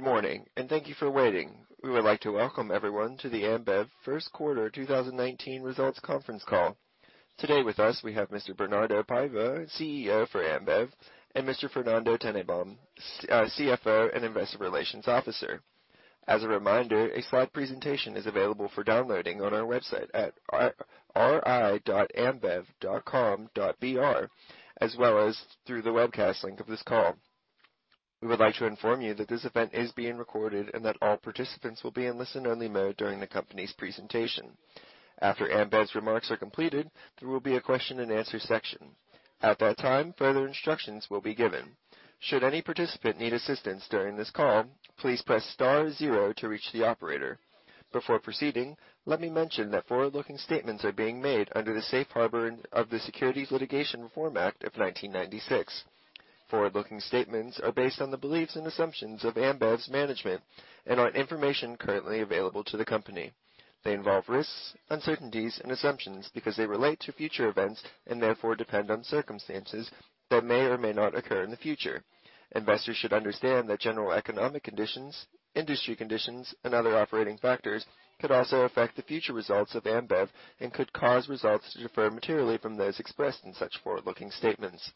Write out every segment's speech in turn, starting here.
Good morning, and thank you for waiting. We would like to welcome everyone to the Ambev First Quarter 2019 Results Conference Call. Today with us, we have Mr. Bernardo Paiva, Chief Executive Officer for Ambev, and Mr. Fernando Tennenbaum, chief financial officer and Investor Relations Officer. As a reminder, a slide presentation is available for downloading on our website at r-ri.ambev.com.br, as well as through the webcast link of this call. We would like to inform you that this event is being recorded and that all participants will be in listen-only mode during the company's presentation. After Ambev's remarks are completed, there will be a question-and-answer section. At that time, further instructions will be given. Should any participant need assistance during this call, please press star zero to reach the operator. Before proceeding, let me mention that forward-looking statements are being made under the safe harbor of the Private Securities Litigation Reform Act of 1995. Forward-looking statements are based on the beliefs and assumptions of Ambev's management and on information currently available to the company. They involve risks, uncertainties and assumptions because they relate to future events and therefore depend on circumstances that may or may not occur in the future. Investors should understand that general economic conditions, industry conditions, and other operating factors could also affect the future results of Ambev and could cause results to differ materially from those expressed in such forward-looking statements.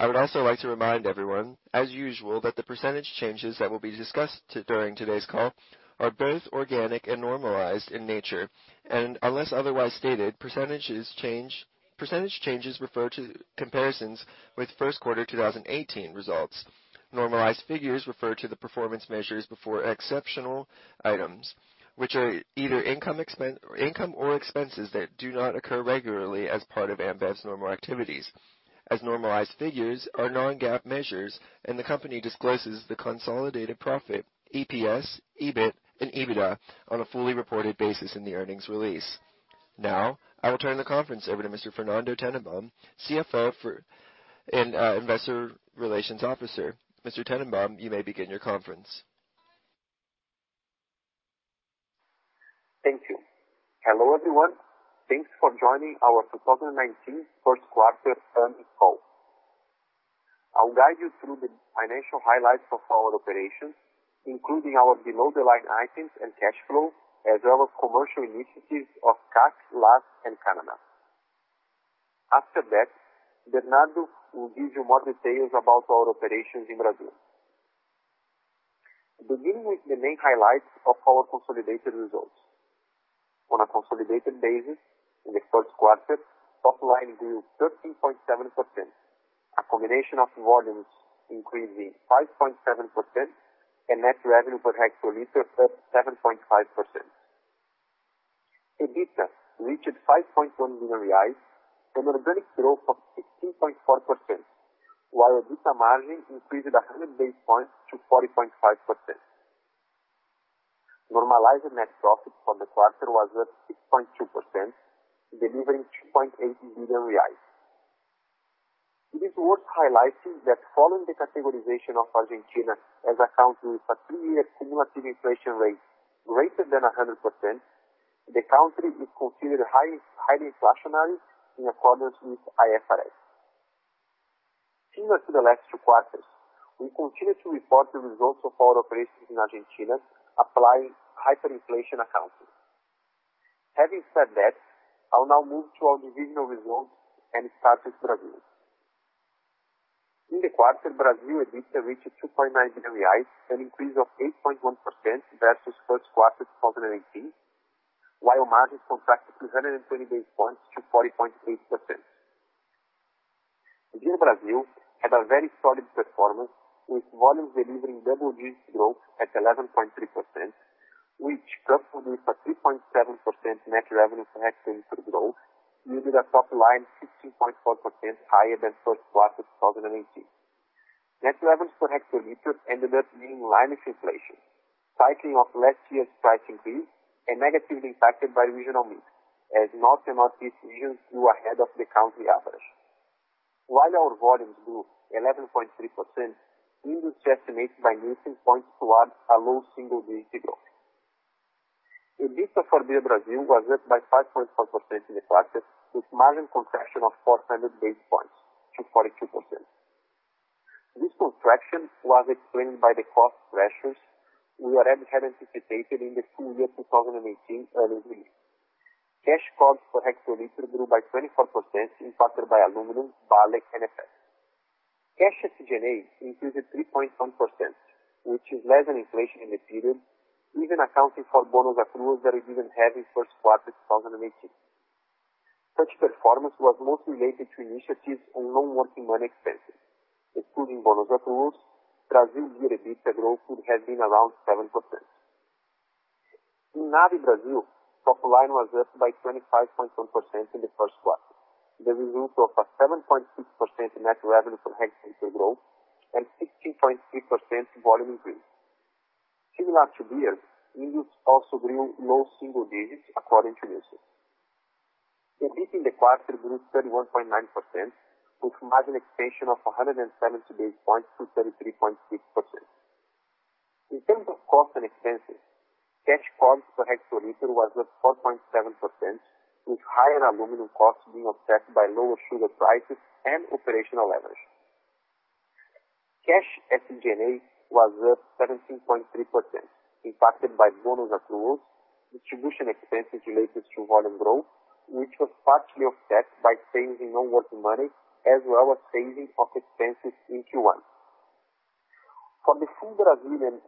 I would also like to remind everyone, as usual, that the percentage changes that will be discussed during today's call are both organic and normalized in nature. Unless otherwise stated, percentage changes refer to comparisons with first quarter 2018 results. Normalized figures refer to the performance measures before exceptional items, which are either income or expenses that do not occur regularly as part of Ambev's normal activities. As normalized figures are Non-GAAP measures, and the company discloses the consolidated profit, EPS, EBIT and EBITDA on a fully reported basis in the earnings release. Now, I will turn the conference over to Mr. Fernando Tennenbaum, chief financial officer and Investor Relations Officer. Mr. Tennenbaum, you may begin your conference. Thank you. Hello, everyone. Thanks for joining our 2019 first quarter earnings call. I'll guide you through the financial highlights of our operations, including our below-the-line items and cash flow as well as commercial initiatives of CAC, LAS and Canada. After that, Bernardo will give you more details about our operations in Brazil. Beginning with the main highlights of our consolidated results. On a consolidated basis, in the first quarter, top line grew 13.7%. A combination of volumes increasing 5.7% and net revenue per hectoliter up 7.5%. EBITDA reached 5.1 billion reais, an organic growth of 16.4%, while EBITDA margin increased 100 basis points to 40.5%. Normalized net profit for the quarter was up 6.2%, delivering 2.8 billion reais. It is worth highlighting that following the categorization of Argentina as a country with a two-year cumulative inflation rate greater than 100%, the country is considered highly inflationary in accordance with IFRS. Similar to the last two quarters, we continue to report the results of our operations in Argentina applying hyperinflation accounting. Having said that, I'll now move to our divisional results and start with Brazil. In the quarter, Brazil EBITDA reached 2.9 billion reais, an increase of 8.1% versus first quarter 2018, while margins contracted 320 basis points to 40.8%. Beer Brazil had a very solid performance, with volumes delivering double-digit growth at 11.3%, which coupled with a 3.7% net revenue per hectoliter growth, yielded a top line 16.4% higher than first quarter 2018. Net revenue per hectoliter ended up being in line with inflation, paying off last year's price increase and negatively impacted by regional mix, as North and Northeast regions grew ahead of the country average. While our volumes grew 11.3%, industry estimates by Nielsen point towards a low single-digit growth. EBITDA for Beer Brazil was up by 5.4% in the quarter, with margin contraction of 400 basis points to 42%. This contraction was explained by the cost pressures we already had anticipated in the full year 2018 earnings release. Cash costs per hectoliter grew by 24% impacted by aluminum, barley and FX. Cash SG&A increased 3.1%, which is less than inflation in the period, even accounting for bonus accruals that we didn't have in first quarter 2018. Such performance was mostly related to initiatives on non-working money expenses, excluding bonus accruals, Brazil Beer EBITDA growth would have been around 7%. In Anheuser-Busch InBev Brazil, top line was up by 25.1% in the first quarter. The result of a 7.6% net revenue per hectoliter growth and 16.3% volume increase. Similar to beers, industry also grew low single digits according to Nielsen. EBIT in the quartergrew 31.9% with margin expansion of 170 basis points to 33.6%. In terms of cost and expenses. Cash cost per hectoliter was at 4.7%, with higher aluminum costs being offset by lower sugar prices and operational leverage. Cash SG&A was up 17.3%, impacted by bonus accruals, distribution expenses related to volume growth, which was partially offset by savings on marketing, as well as savings in expenses in Q1. For the full Brazilian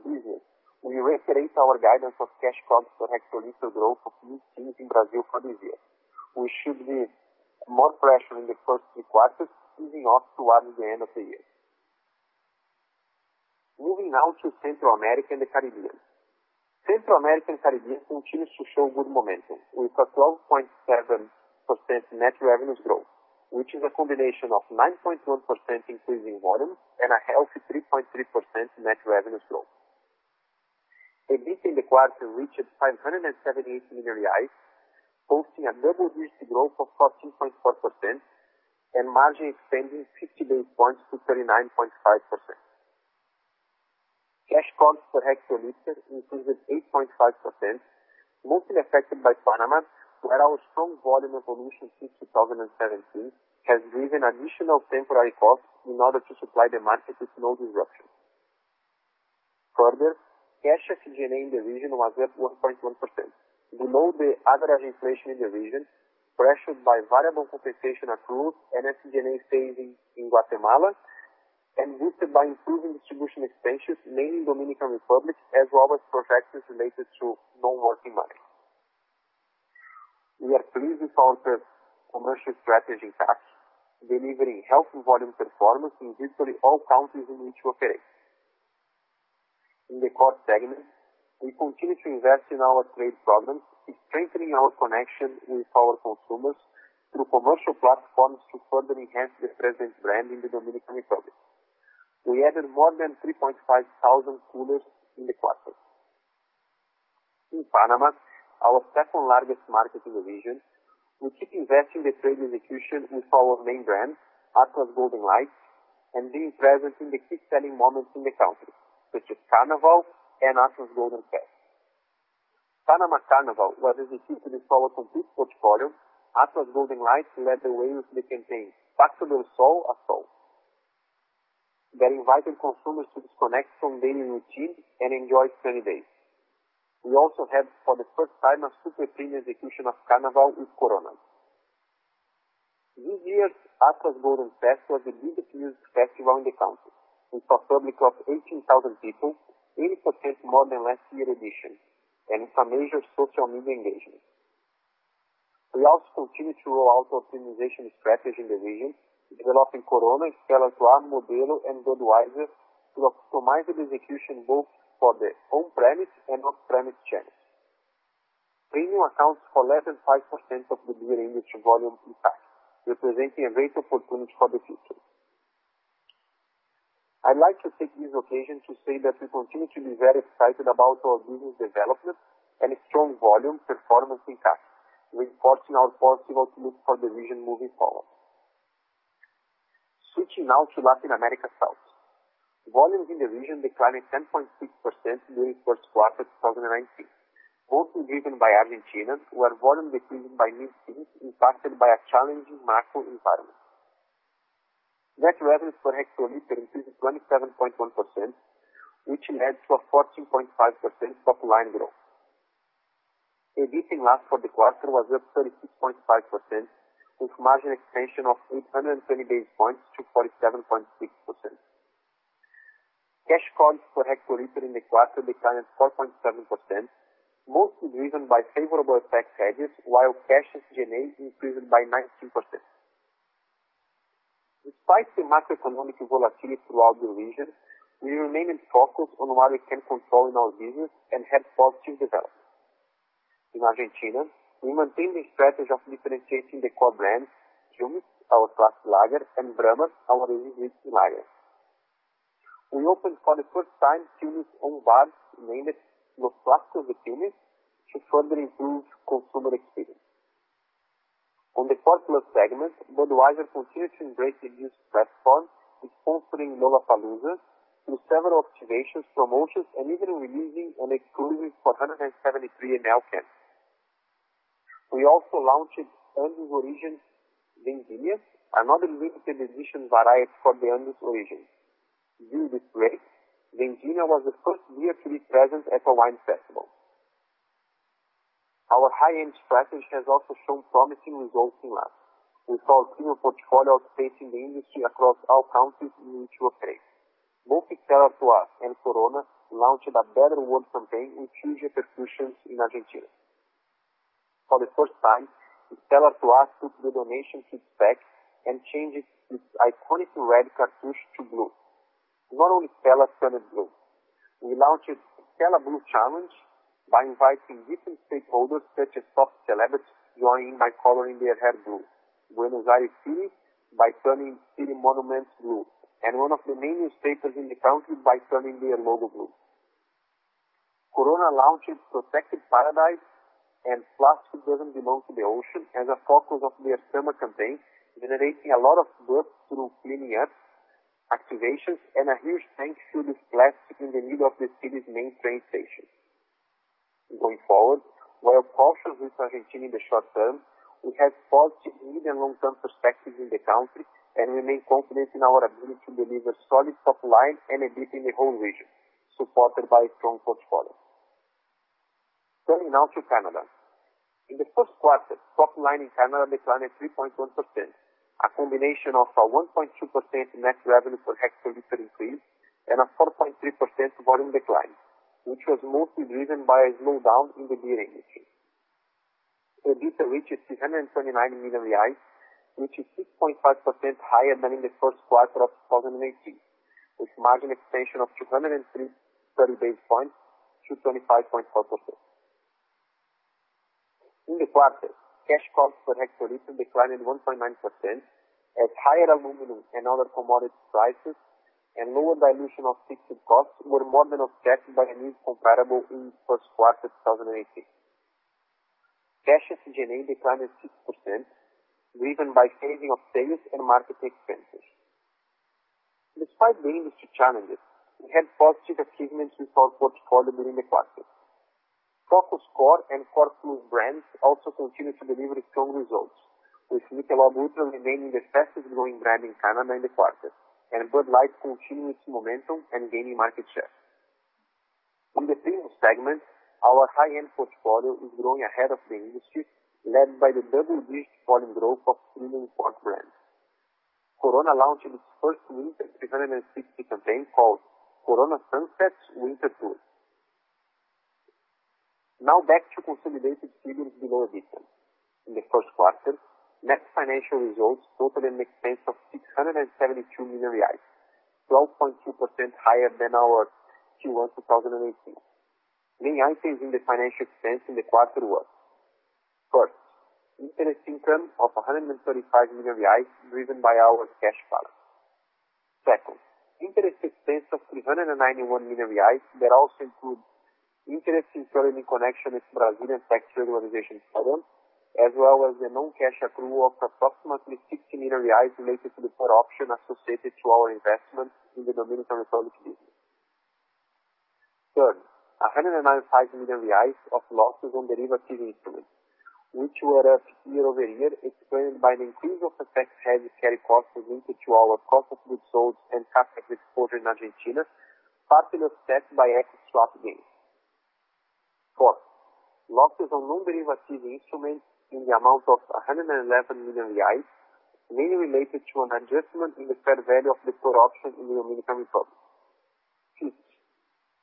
business, we reiterate our guidance of cash cost per hectoliter growth of mid-single% in Brazil for this year. We should be front-loaded in the first three quarters, easing off towards the end of the year. Moving now to Central America and the Caribbean. Central America and the Caribbean continues to show good momentum with a 12.7% net revenue growth, which is a combination of 9.1% increase in volume and a healthy 3.3% net revenue growth. EBITDA in the quarter reached 578 million reais, posting a double-digit growth of 14.4% and margin expanding 50 basis points to 39.5%. Cash cost per hectoliter increased 8.5%, mostly affected by Panama, where our strong volume evolution since 2017 has driven additional temporary costs in order to supply the market with no disruption. Further, cash SG&A in the region was at 1.1%. Below the average inflation in the region, pressured by variable compensation accrual and SG&A savings in Guatemala and boosted by improving distribution expenses, mainly in Dominican Republic, as well as protections related to non-working money. We are pleased with our commercial strategy in CAC, delivering healthy volume performance in virtually all countries in which we operate. In the core segment, we continue to invest in our trade programs and strengthening our connection with our consumers through commercial platforms to further enhance the present brand in the Dominican Republic. We added more than 3,500 coolers in the quarter. In Panama, our second-largest market in the region, we keep investing in the trade execution with our main brand, Atlas Golden Light, and being present in the key selling moments in the country, such as Carnaval and Atlas Golden Fest. Panama Carnaval was executed with our complete portfolio. Atlas Golden Light led the way with the campaign that invited consumers to disconnect from daily routines and enjoy sunny days. We also had, for the first time, a super premium execution of Carnaval with Corona. This year's Atlas Golden Fest was the biggest music festival in the country, with a public of 18,000 people, 80% more than last year's edition, and with a major social media engagement. We also continue to roll out optimization strategy in the region, developing Corona, Stella Artois, Modelo, and Budweiser to optimize the execution both for the on-premise and off-premise channels. Premium accounts for less than 5% of the beer industry volume in CAC, representing a great opportunity for the future. I'd like to take this occasion to say that we continue to be very excited about our business development and strong volume performance in CAC. We have a positive outlook for the region moving forward. Switching now to Latin America South. Volumes in the region declined 10.6% during the first quarter of 2019, mostly driven by Argentina, where volume decreased by mid-single, impacted by a challenging macro environment. Net revenue per hectoliter increased 27.1%, which led to a 14.5% top-line growth. EBITDA for the quarter was up 36.5%, with margin expansion of 820 basis points to 47.6%. Cash cost per hectoliter in the quarter declined 4.7%, mostly driven by favorable FX hedges, while cash SG&A increased by 19%. Despite the macroeconomic volatility throughout the region, we remain focused on what we can control in our business and have positive development. In Argentina, we maintain the strategy of differentiating the core brands, Quilmes, our flagship lager, and Brahma, our premium lager. We opened for the first time Quilmes' own bars named Los Clásicos de Quilmes to further improve consumer experience. On the popular segment, Budweiser continues to embrace the youth platform with sponsoring Lollapalooza through several activations, promotions, and even releasing an exclusive 473 ml can. We also launched Andes Origen Triguera, another limited edition variety for the Andes region. Due to its great, Triguera was the first beer to be present at the wine festival. Our high-end strategy has also shown promising results in LAS. We saw our portfolio outpacing the industry across all countries in which we operate. Both Stella Artois and Corona launched a Better World campaign with huge repercussions in Argentina. For the first time, Stella Artois put the donation feedback and changed its iconic red cartouche to blue. Not only Stella turned blue. We launched Stella Blue Challenge by inviting different stakeholders, such as top celebrities joining by coloring their hair blue, Buenos Aires city by turning city monuments blue, and one of the main newspapers in the country by turning their logo blue. Corona launched its Protected Paradise and Plastic Doesn't Belong to the Ocean as a focus of their summer campaign, generating a lot of buzz through cleaning up and a huge thanks to the splash in the middle of the city's main train station. Going forward, while cautious with Argentina in the short term, we have positive medium, long-term perspectives in the country, and remain confident in our ability to deliver solid top line and EBITDA in the whole region, supported by a strong portfolio. Turning now to Canada. In the first quarter, top line in Canada declined 3.1%, a combination of a 1.2% net revenue per hectoliter increase and a 4.3% volume decline, which was mostly driven by a slowdown in the beer industry. EBITDA reaches 329 million reais, which is 6.5% higher than in the first quarter of 2018, with margin expansion of 230 basis points to 25.4%. In the quarter, cash costs per hectoliter declined 1.9% as higher aluminum and other commodity prices and lower dilution of fixed costs were more than offset by a mix comparable in first quarter 2018. Cash SG&A declined 6%, driven by saving of sales and marketing expenses. Despite the industry challenges, we had positive achievements with our portfolio during the quarter. Focus core and core plus brands also continued to deliver strong results, with Michelob Ultra remaining the fastest growing brand in Canada in the quarter, and Bud Light continuing its momentum and gaining market share. In the premium segment, our high-end portfolio is growing ahead of the industry, led by the double-digit volume growth of premium core brands. Corona launched its first winter 360 campaign called Corona Sunsets Winter Tour. Now back to consolidated segments below EBITDA. In the first quarter, net financial results totaled an expense of 672 million reais, 12.2% higher than our Q1 2018. The items in the financial expense in the quarter were. First, interest income of 135 million reais driven by our cash balance. Second, interest expense of 391 million reais that also include interest in connection with Brazilian tax regularization program, as well as the non-cash accrual of approximately BRL 60 million related to the put option associated to our investment in the Dominican Republic business. Third, 195 million reais of losses on derivative instruments, which were up year-over-year explained by an increase of FX hedge carry costs related to our cost of goods sold and cash exposure in Argentina, partially offset by FX swap gains. Fourth, losses on non-derivative instruments in the amount of 111 million reais mainly related to an adjustment in the fair value of the put option in the Dominican Republic. Fifth,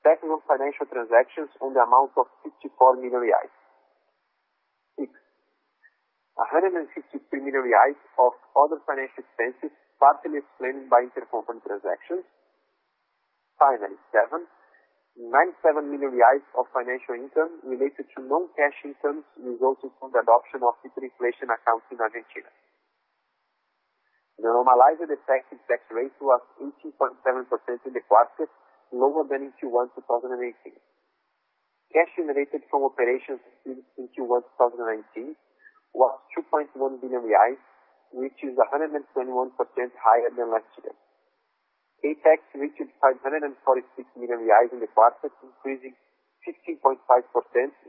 tax on financial transactions in the amount of 54 million reais. Sixth, 153 million reais of other financial expenses, partially explained by intercompany transactions. Finally, seventh, 97 million reais of financial income related to non-cash incomes resulting from the adoption of hyperinflation accounts in Argentina. Normalized effective tax rate was 18.7% in the quarter, lower than Q1 2018. Cash generated from operations in Q1 2019 was 2.1 billion reais, which is 121% higher than last year. CapEx reached 546 million reais in the quarter, increasing 15.5%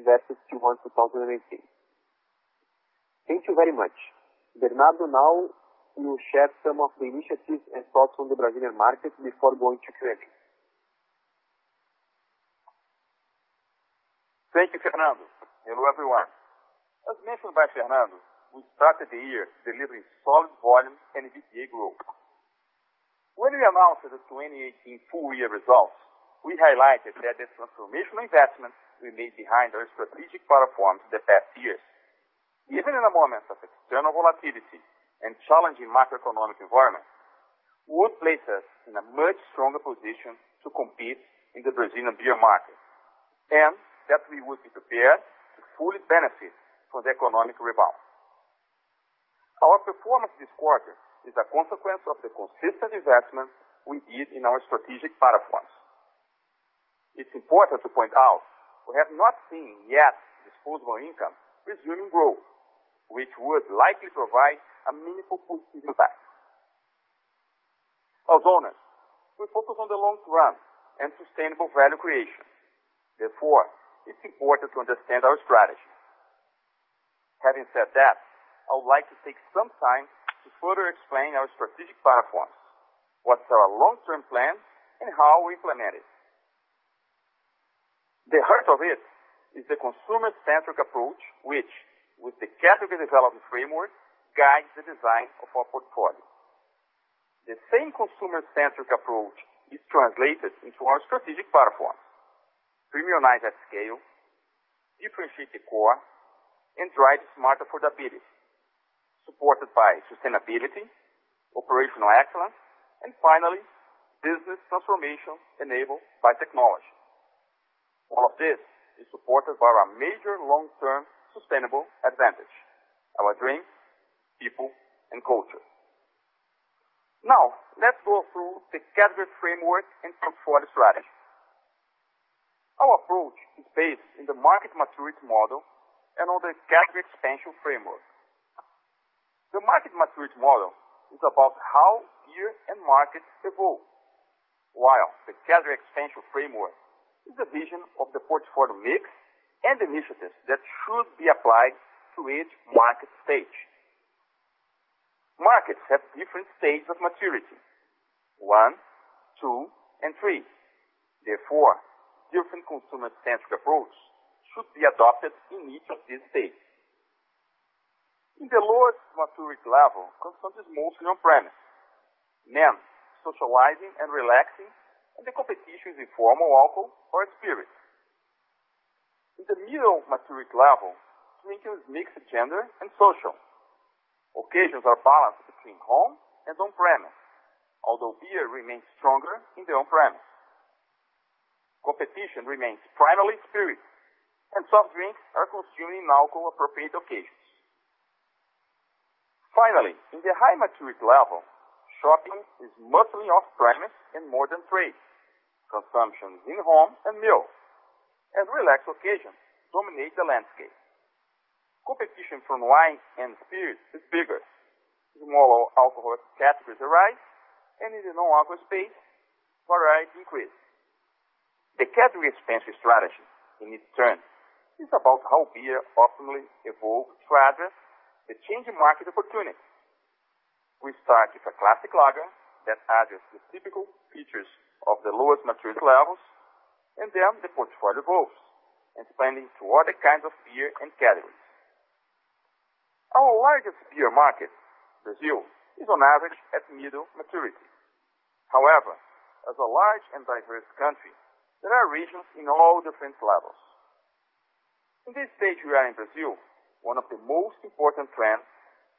versus Q1 2018. Thank you very much. Bernardo now will share some of the initiatives and thoughts on the Brazilian market before going to Q&A. Thank you, Fernando. Hello, everyone. As mentioned by Fernando, we started the year delivering solid volume and EBITDA growth. When we announced the 2018 full year results, we highlighted that the transformational investments we made behind our strategic platforms the past years, even in the moments of external volatility and challenging macroeconomic environment, would place us in a much stronger position to compete in the Brazilian beer market, and that we would be prepared to fully benefit from the economic rebound. Our performance this quarter is a consequence of the consistent investment we did in our strategic platforms. It's important to point out we have not seen yet disposable income resuming growth, which would likely provide a meaningful positive impact. As owners, we focus on the long term and sustainable value creation. Therefore, it's important to understand our strategy. Having said that, I would like to take some time to further explain our strategic platforms, what's our long-term plan, and how we implement it. The heart of it is the consumer-centric approach, which, with the category development framework, guides the design of our portfolio. The same consumer-centric approach is translated into our strategic platforms, premiumize at scale, differentiate the core, and drive smarter profitability, supported by sustainability, operational excellence, and finally, business transformation enabled by technology. All of this is supported by our major long-term sustainable advantage, our drinks, people, and culture. Now, let's go through the category framework and portfolio strategy. Our approach is based on the market maturity model and on the category expansion framework. The market maturity model is about how beer and markets evolve, while the category expansion framework is a vision of the portfolio mix and initiatives that should be applied to each market stage. Markets have different stages of maturity, one, two, and three. Therefore, different consumer-centric approach should be adopted in each of these stages. In the lowest maturity level, consumption is mostly on-premise. Men socializing and relaxing, and the competition is informal alcohol or spirits. In the middle maturity level, drinking is mixed gender and social. Occasions are balanced between home and on-premise, although beer remains stronger in the on-premise. Competition remains primarily spirits and soft drinks are consumed in alcohol-appropriate occasions. Finally, in the high maturity level, shopping is mostly off-premise and modern trade. Consumption is in-home and meals and relaxed occasions dominate the landscape. Competition from wine and spirits is bigger. Smaller alcohol categories arise and in the no-alcohol space, variety increase. The category expansion strategy, in its turn, is about how beer optimally evolve to address the changing market opportunity. We start with a classic lager that addresses the typical features of the lowest maturity levels, and then the portfolio evolves, expanding to other kinds of beer and categories. Our largest beer market, Brazil, is on average at middle maturity. However, as a large and diverse country, there are regions in all different levels. In this stage we are in Brazil, one of the most important trends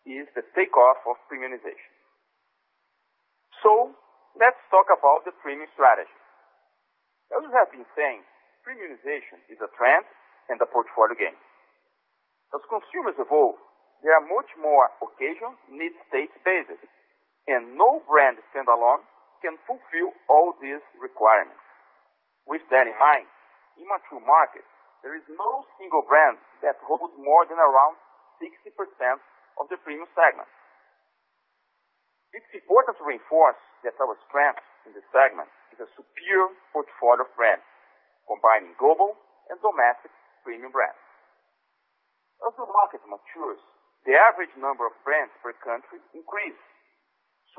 is the takeoff of premiumization. Let's talk about the premium strategy. As we have been saying, premiumization is a trend and a portfolio gain. As consumers evolve, there are much more occasions, needs, taste bases, and no brand standalone can fulfill all these requirements. With that in mind, in mature markets, there is no single brand that holds more than around 60% of the premium segment. It's important to reinforce that our strength in this segment is a superior portfolio brand, combining global and domestic premium brands. As the market matures, the average number of brands per country increase.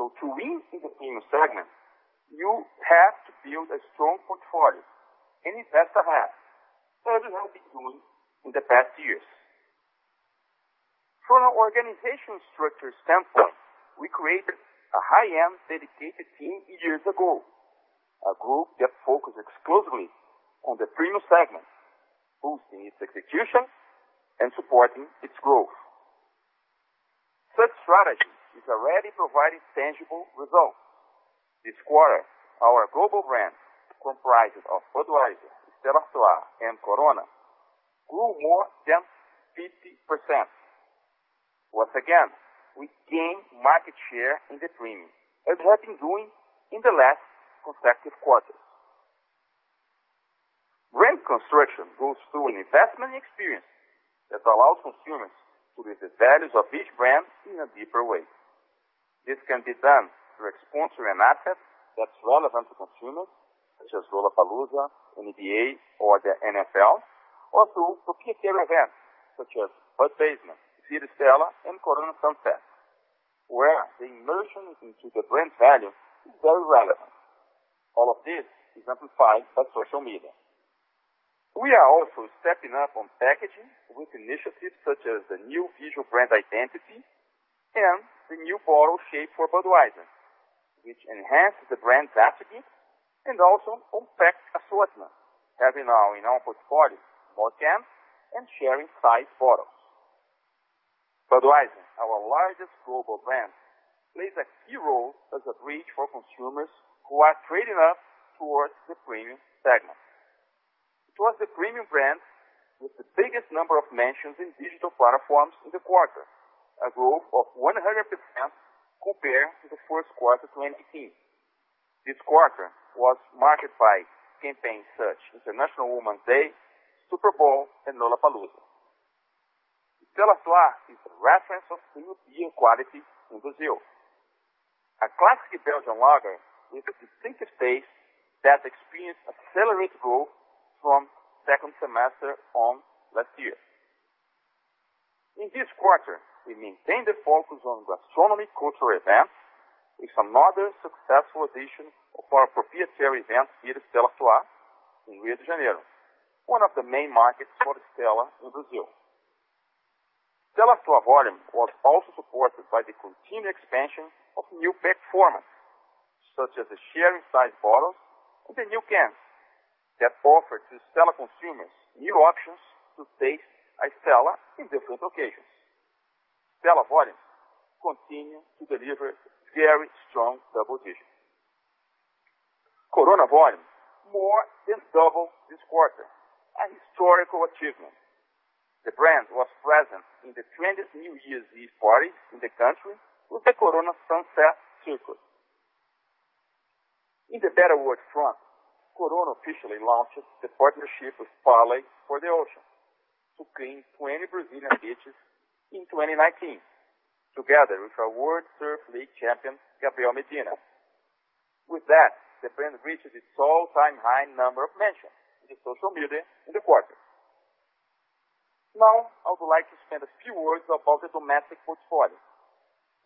To win in the premium segment, you have to build a strong portfolio and invest ahead, as we have been doing in the past years. From an organization structure standpoint, we created a high-end dedicated team years ago, a group that focused exclusively on the premium segment, boosting its execution and supporting its growth. Such strategy is already providing tangible results. This quarter, our global brands, comprising of Budweiser, Stella Artois, and Corona, grew more than 50%. Once again, we gained market share in the premium, as we have been doing in the last consecutive quarters. Brand construction goes through an investment experience that allows consumers to live the values of each brand in a deeper way. This can be done through sponsoring an asset that's relevant to consumers, such as Lollapalooza, NBA, or the NFL, or through key tier events such as Bud Basement, Beer Stella, and Corona Sunsets, where the immersion into the brand value is very relevant. All of this is amplified by social media. We are also stepping up on packaging with initiatives such as the new visual brand identity and the new bottle shape for Budweiser, which enhances the brand's attributes and also compact assortment, having now in our portfolio both cans and sharing size bottles. Budweiser, our largest global brand, plays a key role as a bridge for consumers who are trading up towards the premium segment. It was the premium brand with the biggest number of mentions in digital platforms in the quarter, a growth of 100% compared to the first quarter 2018. This quarter was marked by campaigns such as International Women's Day, Super Bowl, and Lollapalooza. Stella Artois is a reference of premium beer quality in Brazil. A classic Belgian lager with a distinctive taste that experienced accelerated growth from second semester on last year. In this quarter, we maintained the focus on gastronomy cultural events with another successful edition of our proprietary event, Beer Stella Artois, in Rio de Janeiro, one of the main markets for Stella in Brazil. Stella Artois volume was also supported by the continued expansion of new pack formats, such as the sharing size bottles and the new cans that offered to Stella consumers new options to taste a Stella in different occasions. Stella volume continued to deliver very strong double digits. Corona volume more than doubled this quarter, a historical achievement. The brand was present in the trendiest New Year's Eve party in the country with the Corona Sunsets Circuit. In the Better World front, Corona officially launches the partnership with Parley for the Oceans to clean 20 Brazilian beaches in 2019, together with our World Surf League champion, Gabriel Medina. With that, the brand reaches its all-time high number of mentions in the social media in the quarter. Now, I would like to spend a few words about the domestic portfolio,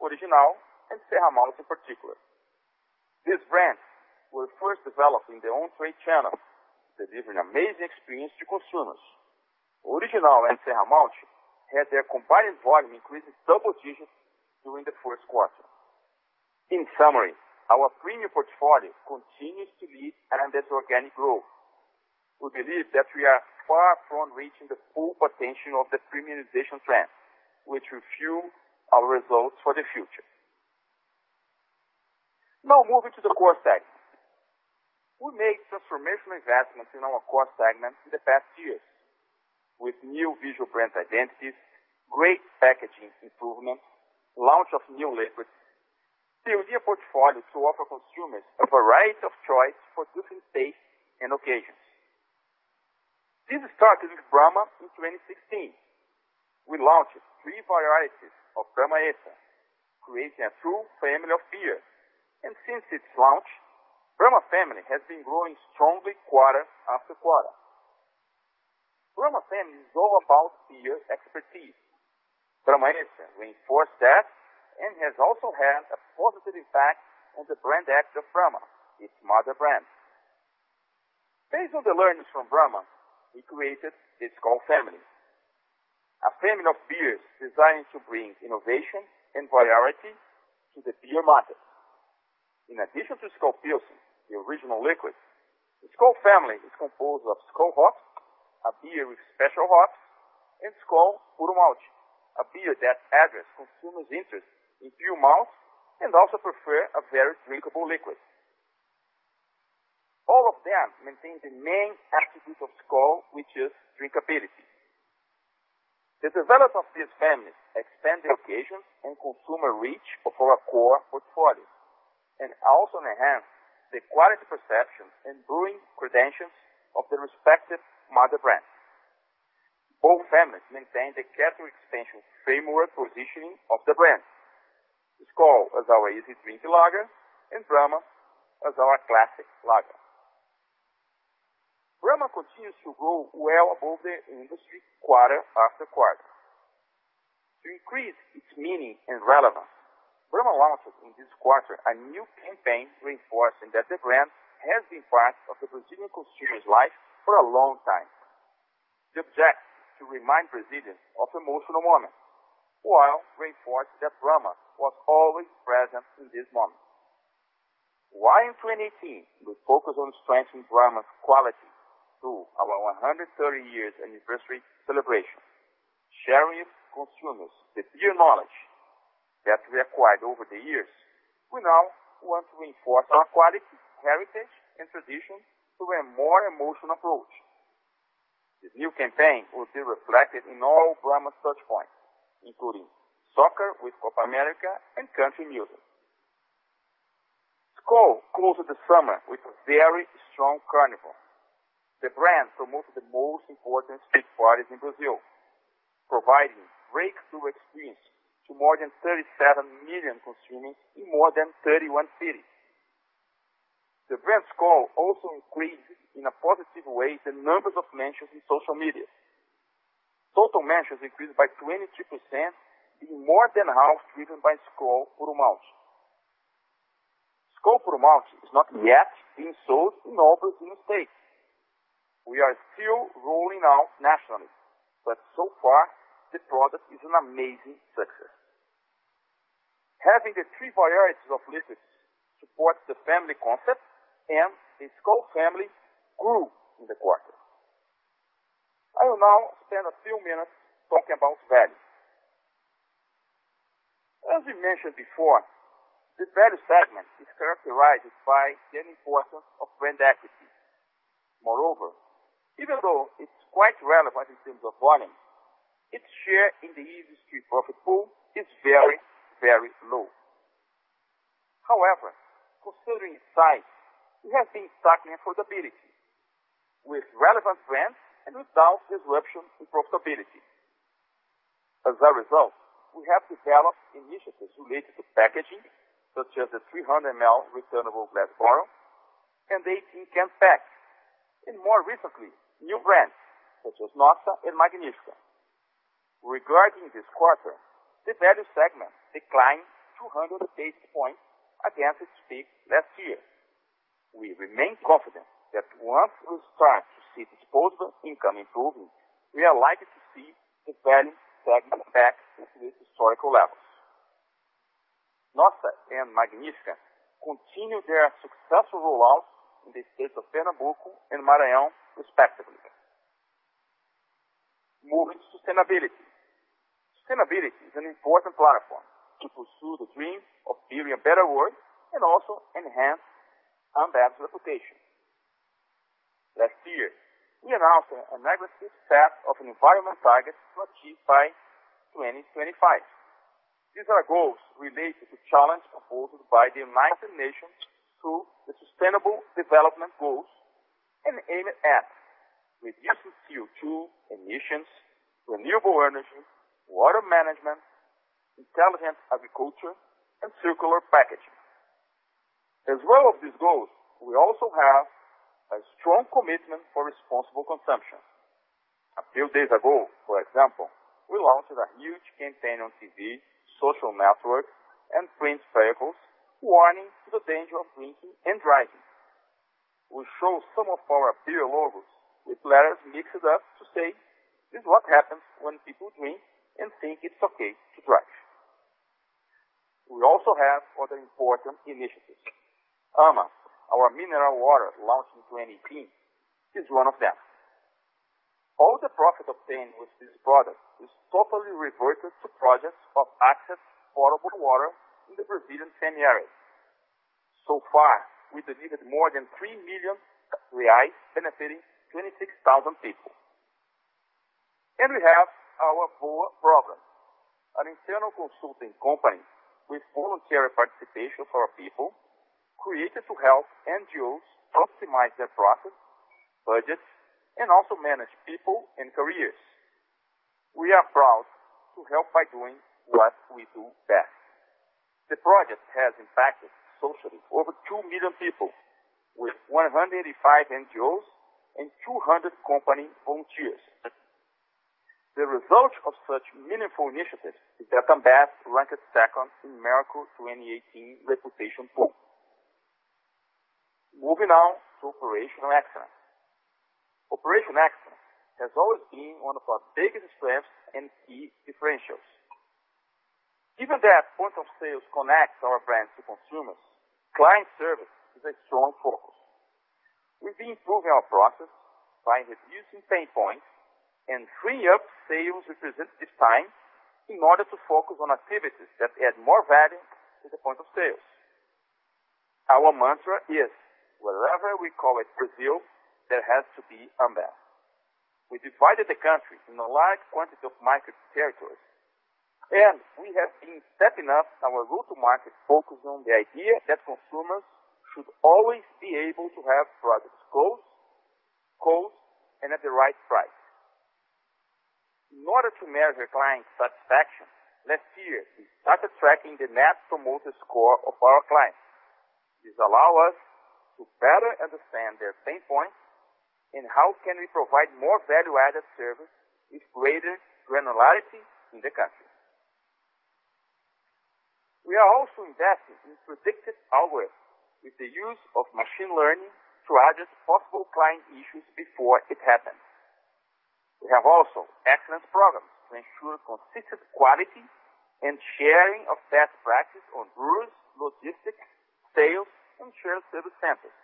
Original and Serra Malte in particular. These brands were first developed in the on-trade channel, delivering amazing experience to consumers. Original and Serra Malte had their combined volume increase in double digits during the first quarter. In summary, our premium portfolio continues to lead another organic growth. We believe that we are far from reaching the full potential of the premiumization trend, which will fuel our results for the future. Now moving to the core segment. We made transformational investments in our core segment in the past years with new visual brand identities, great packaging improvements, launch of new liquids, building a portfolio to offer consumers a variety of choice for different tastes and occasions. This started with Brahma in 2016. We launched three varieties of Brahma Extra, creating a true family of beer. Since its launch, Brahma family has been growing strongly quarter after quarter. Brahma family is all about beer expertise. Brahma Extra reinforced that and has also had a positive impact on the brand equity of Brahma, its mother brand. Based on the learnings from Brahma, we created the Skol family, a family of beers designed to bring innovation and variety to the beer market. In addition to Skol Pilsen, the original liquid, the Skol family is composed of Skol Hops, a beer with special hops, and Skol Puro Malte, a beer that addresses consumers' interest in pure malt and also prefer a very drinkable liquid. All of them maintain the main attribute of Skol, which is drinkability. The development of these families expand the occasions and consumer reach of our core portfolio and also enhance the quality perception and brewing credentials of the respective mother brands. Both families maintain the category expansion framework positioning of the brands. Skol as our easy-drinking lager and Brahma as our classic lager. Brahma continues to grow well above the industry quarter after quarter. To increase its meaning and relevance, Brahma launched in this quarter a new campaign reinforcing that the brand has been part of the Brazilian consumer's life for a long time. The objective is to remind Brazilians of emotional moments while reinforcing that Brahma was always present in these moments. While in 2018 we focused on strengthening Brahma's quality through our 130 years anniversary celebration, sharing with consumers the beer knowledge that we acquired over the years, we now want to reinforce our quality, heritage, and tradition through a more emotional approach. This new campaign will be reflected in all Brahma touch points, including soccer with Copa América and country music. Skol closed the summer with a very strong carnival. The brand promoted the most important street parties in Brazil, providing breakthrough experience to more than 37 million consumers in more than 31 cities. The brand Skol also increased in a positive way the numbers of mentions in social media. Total mentions increased by 22%, being more than half driven by Skol Puro Malte. Skol Puro Malte is not yet being sold in all Brazilian states. We are still rolling out nationally, but so far the product is an amazing success. Having the three varieties of liquids supports the family concept, and the Skol family grew in the quarter. I will now spend a few minutes talking about value. As we mentioned before, the value segment is characterized by the importance of brand equity. Moreover, even though it's quite relevant in terms of volume, its share in the industry profit pool is very, very low. However, considering its size, it has been tackling affordability with relevant brands and without disruption in profitability. As a result, we have developed initiatives related to packaging, such as the 300 ml returnable glass bottle and the 18-can pack, and more recently, new brands such as Nossa and Magnífica. Regarding this quarter, the value segment declined 200 basis points against its peak last year. We remain confident that once we start to see disposable income improving, we are likely to see the value segment back to its historical levels. Nossa and Magnífica continue their successful rollouts in the states of Pernambuco and Maranhão, respectively. Moving to sustainability. Sustainability is an important platform to pursue the dream of building a better world and also enhance Ambev's reputation. Last year, we announced an aggressive set of environment targets to achieve by 2025. These are goals related to challenges proposed by the United Nations through the Sustainable Development Goals and aimed at reducing CO2 emissions, renewable energy, water management, intelligent agriculture, and circular packaging. As well as these goals, we also have a strong commitment for responsible consumption. A few days ago, for example, we launched a huge campaign on TV, social networks, and print vehicles warning to the danger of drinking and driving. We show some of our beer logos with letters mixed up to say, "This is what happens when people drink and think it's okay to drive." We also have other important initiatives. AMA, our mineral water launched in 2018, is one of them. All the profit obtained with this product is totally reverted to projects of access to potable water in the Brazilian semi-arid areas. So far, we delivered more than 3 million reais benefiting 26,000 people. We have our BOA program, an internal consulting company with voluntary participation for our people, created to help NGOs optimize their process, budgets, and also manage people and careers. We are proud to help by doing what we do best. The project has impacted socially over 2 million people with 185 NGOs and 200 company volunteers. The result of such meaningful initiatives is that Ambev is ranked second in Merco 2018 reputation poll. Moving on to operational excellence. Operational excellence has always been one of our biggest strengths and key differentials. Given that point of sales connects our brands to consumers, client service is a strong focus. We've been improving our process by reducing pain points and free up sales representative's time in order to focus on activities that add more value to the point of sales. Our mantra is, wherever we call it Brazil, there has to be Ambev. We divided the country in a large quantity of market territories, and we have been stepping up our go-to-market focus on the idea that consumers should always be able to have products close, cold, and at the right price. In order to measure client satisfaction, last year, we started tracking the net promoter score of our clients. This allow us to better understand their pain points and how can we provide more value-added service with greater granularity in the country. We are also investing in predictive algorithms with the use of machine learning to address possible client issues before it happens. We have also excellence programs to ensure consistent quality and sharing of best practice on brewers, logistics, sales, and shared service centers.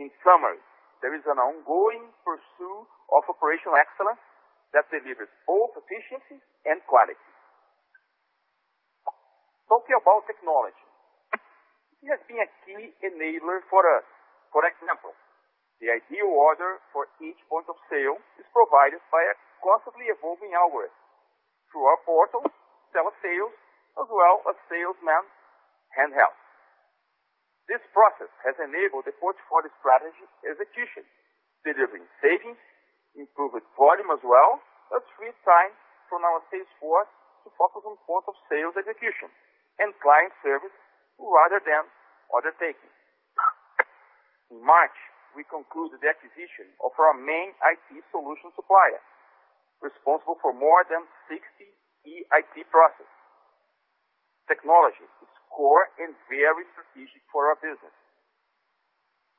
In summary, there is an ongoing pursuit of operational excellence that delivers both efficiency and quality. Talking about technology. It has been a key enabler for us. For example, the ideal order for each point of sale is provided by a constantly evolving algorithm through our portal, tele-sales, as well as salesmen handheld. This process has enabled the portfolio strategy execution, delivering savings, improved volume as well as free time from our sales force to focus on point of sales execution and client service rather than order taking. In March, we concluded the acquisition of our main IT solution supplier, responsible for more than 60 ERP processes. Technology is core and very strategic for our business.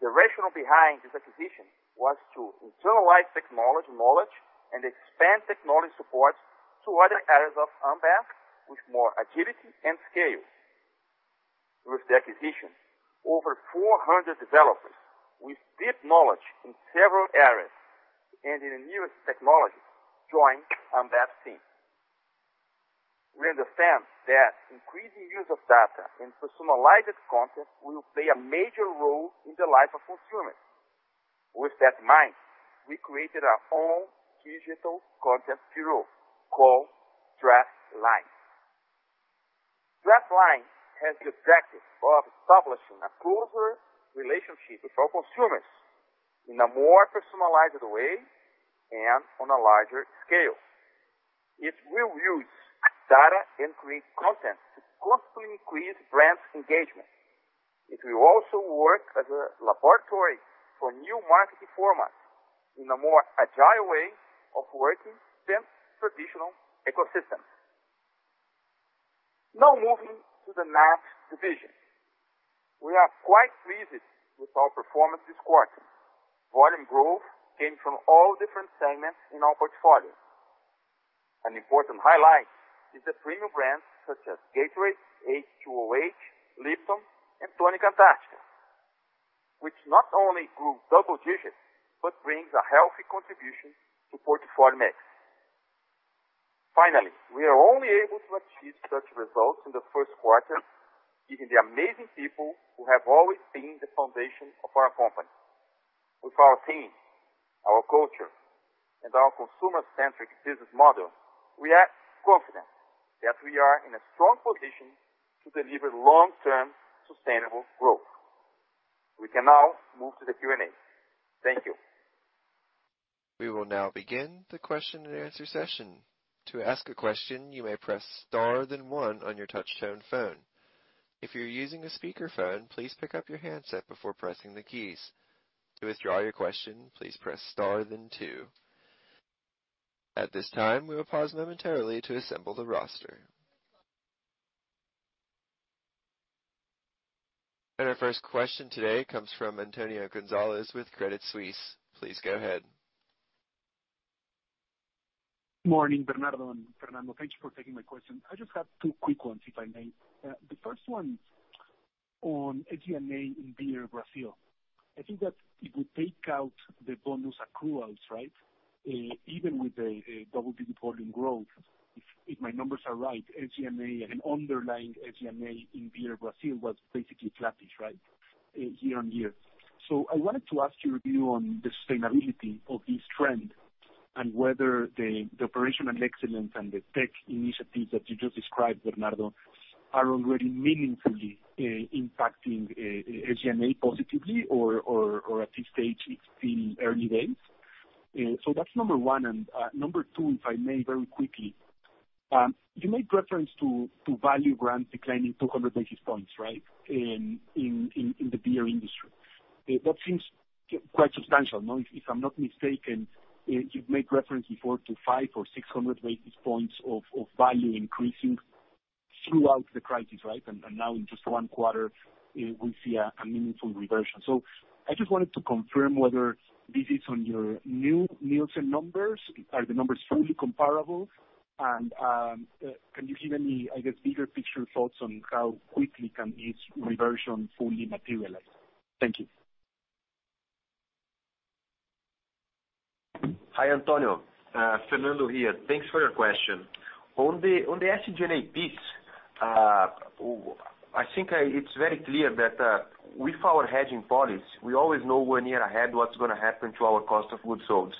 The rationale behind this acquisition was to internalize technology knowledge and expand technology support to other areas of Ambev with more agility and scale. With the acquisition, over 400 developers with deep knowledge in several areas and in the newest technologies joined Ambev team. We understand that increasing use of data and personalized content will play a major role in the life of consumers. With that in mind, we created our own digital content bureau called DraftLine. DraftLine has the objective of establishing a closer relationship with our consumers in a more personalized way and on a larger scale. It will use data and create content to constantly increase brands' engagement. It will also work as a laboratory for new marketing formats in a more agile way of working than traditional ecosystems. Now moving to the NAB division. We are quite pleased with our performance this quarter. Volume growth came from all different segments in our portfolio. An important highlight is the premium brands such as Gatorade, H2OH!, Lipton, and Tônica Antarctica, which not only grew double digits but brings a healthy contribution to portfolio mix. We are only able to achieve such results in the first quarter given the amazing people who have always been the foundation of our company. With our team, our culture, and our consumer-centric business model, we are confident that we are in a strong position to deliver long-term sustainable growth. We can now move to the Q&A. Thank you. We will now begin the question-and-answer session. To ask a question, you may press star then one on your touchtone phone. If you're using a speakerphone, please pick up your handset before pressing the keys. To withdraw your question, please press star then two. At this time, we will pause momentarily to assemble the roster. Our first question today comes from Antonio Gonzalez with Credit Suisse. Please go ahead. Morning, Bernardo and Fernando. Thank you for taking my question. I just have two quick ones, if I may. The first one on SG&A in Beer Brazil. I think that if we take out the bonus accruals, right, even with a double-digit volume growth, if my numbers are right, SG&A and underlying SG&A in Beer Brazil was basically flattish, right, year-over-year. I wanted to ask your view on the sustainability of this trend and whether the operational excellence and the tech initiatives that you just described, Bernardo, are already meaningfully impacting SG&A positively or at this stage it's in early days. That's number one. Number two, if I may, very quickly. You made reference to value brands declining 200 basis points, right, in the beer industry. That seems quite substantial. Now, if I'm not mistaken, you've made reference before to 500 or 600 basis points of value increasing throughout the crisis, right? Now in just 1 quarter, we see a meaningful reversion. I just wanted to confirm whether this is on your new Nielsen numbers. Are the numbers fully comparable? Can you give any, I guess, bigger picture thoughts on how quickly can this reversion fully materialize? Thank you. Hi, Antonio. Fernando here. Thanks for your question. On the SG&A piece, I think it's very clear that with our hedging policy, we always know one year ahead what's gonna happen to our cost of goods sold.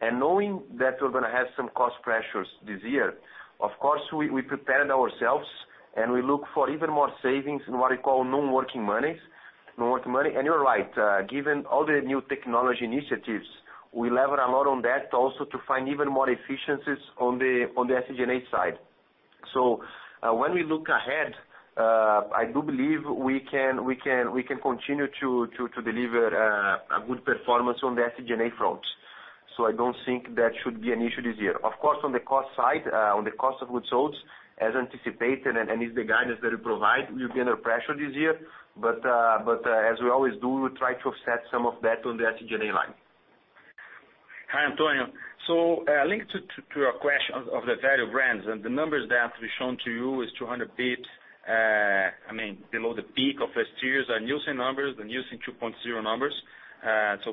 Knowing that we're gonna have some cost pressures this year, of course, we prepared ourselves and we look for even more savings in what we call non-working money. You're right, given all the new technology initiatives, we leverage a lot on that also to find even more efficiencies on the SG&A side. When we look ahead, I do believe we can continue to deliver a good performance on the SG&A front. I don't think that should be an issue this year. Of course, on the cost side, on the cost of goods sold, as anticipated and is the guidance that we provide, we'll be under pressure this year. As we always do, we try to offset some of that on the SG&A line. Hi, Antonio. Linked to your question of the value brands and the numbers that we've shown to you is 200 basis points, I mean, below the peak of last year's Nielsen numbers, the Nielsen 2.0 numbers.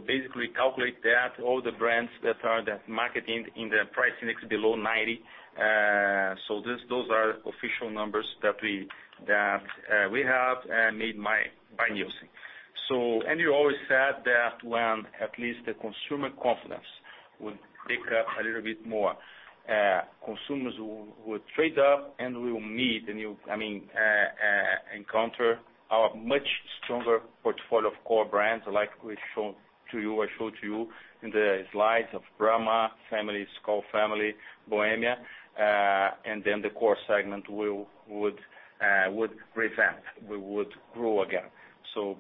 Basically calculate that all the brands that are the marketing in the price index below 90. Those are official numbers that we have and made by Nielsen. You always said that when at least the consumer confidence will pick up a little bit more, consumers will trade up and will need a new, I mean, encounter our much stronger portfolio of core brands like we've shown to you, I showed to you in the slides of Brahma family, Skol family, Bohemia, and then the core segment would revamp. We would grow again.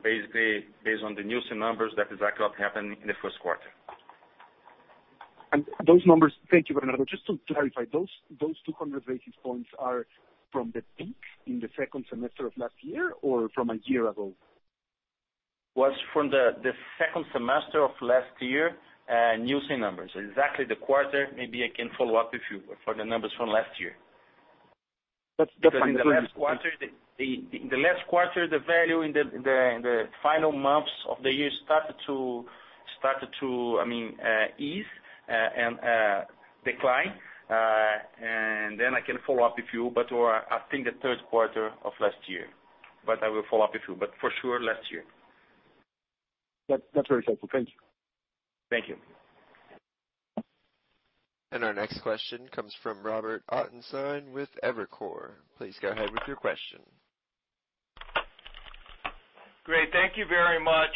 Basically, based on the Nielsen numbers, that's exactly what happened in the first quarter. Those numbers. Thank you, Bernardo. Just to clarify, those 200 basis points are from the peak in the second semester of last year or from a year ago? Was from the second semester of last year, Nielsen numbers. Exactly the quarter, maybe I can follow up with you for the numbers from last year. That's fine. In the last quarter, the value in the final months of the year started to, I mean, ease and decline. I can follow up with you, but I think the third quarter of last year, but I will follow up with you. For sure last year. That's very helpful. Thank you. Thank you. Our next question comes from Robert Ottenstein with Evercore. Please go ahead with your question. Great. Thank you very much.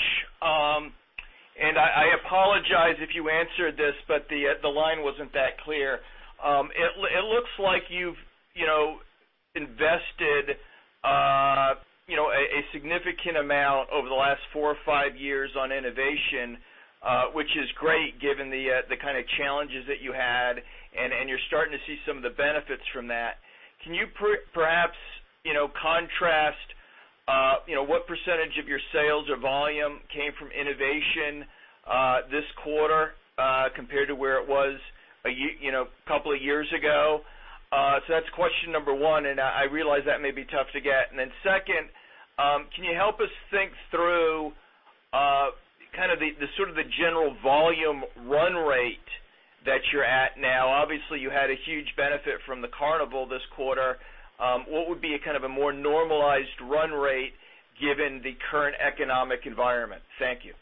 I apologize if you answered this, but the line wasn't that clear. It looks like you've, you know, invested, you know, a significant amount over the last four or five years on innovation, which is great given the kind of challenges that you had, and you're starting to see some of the benefits from that. Can you perhaps, you know, contrast, you know, what percentage of your sales or volume came from innovation this quarter compared to where it was a couple of years ago? So that's question number one, and I realize that may be tough to get. Second, can you help us think through kind of the sort of the general volume run rate that you're at now? Obviously, you had a huge benefit from the carnival this quarter. What would be a kind of a more normalized run rate given the current economic environment? Thank you.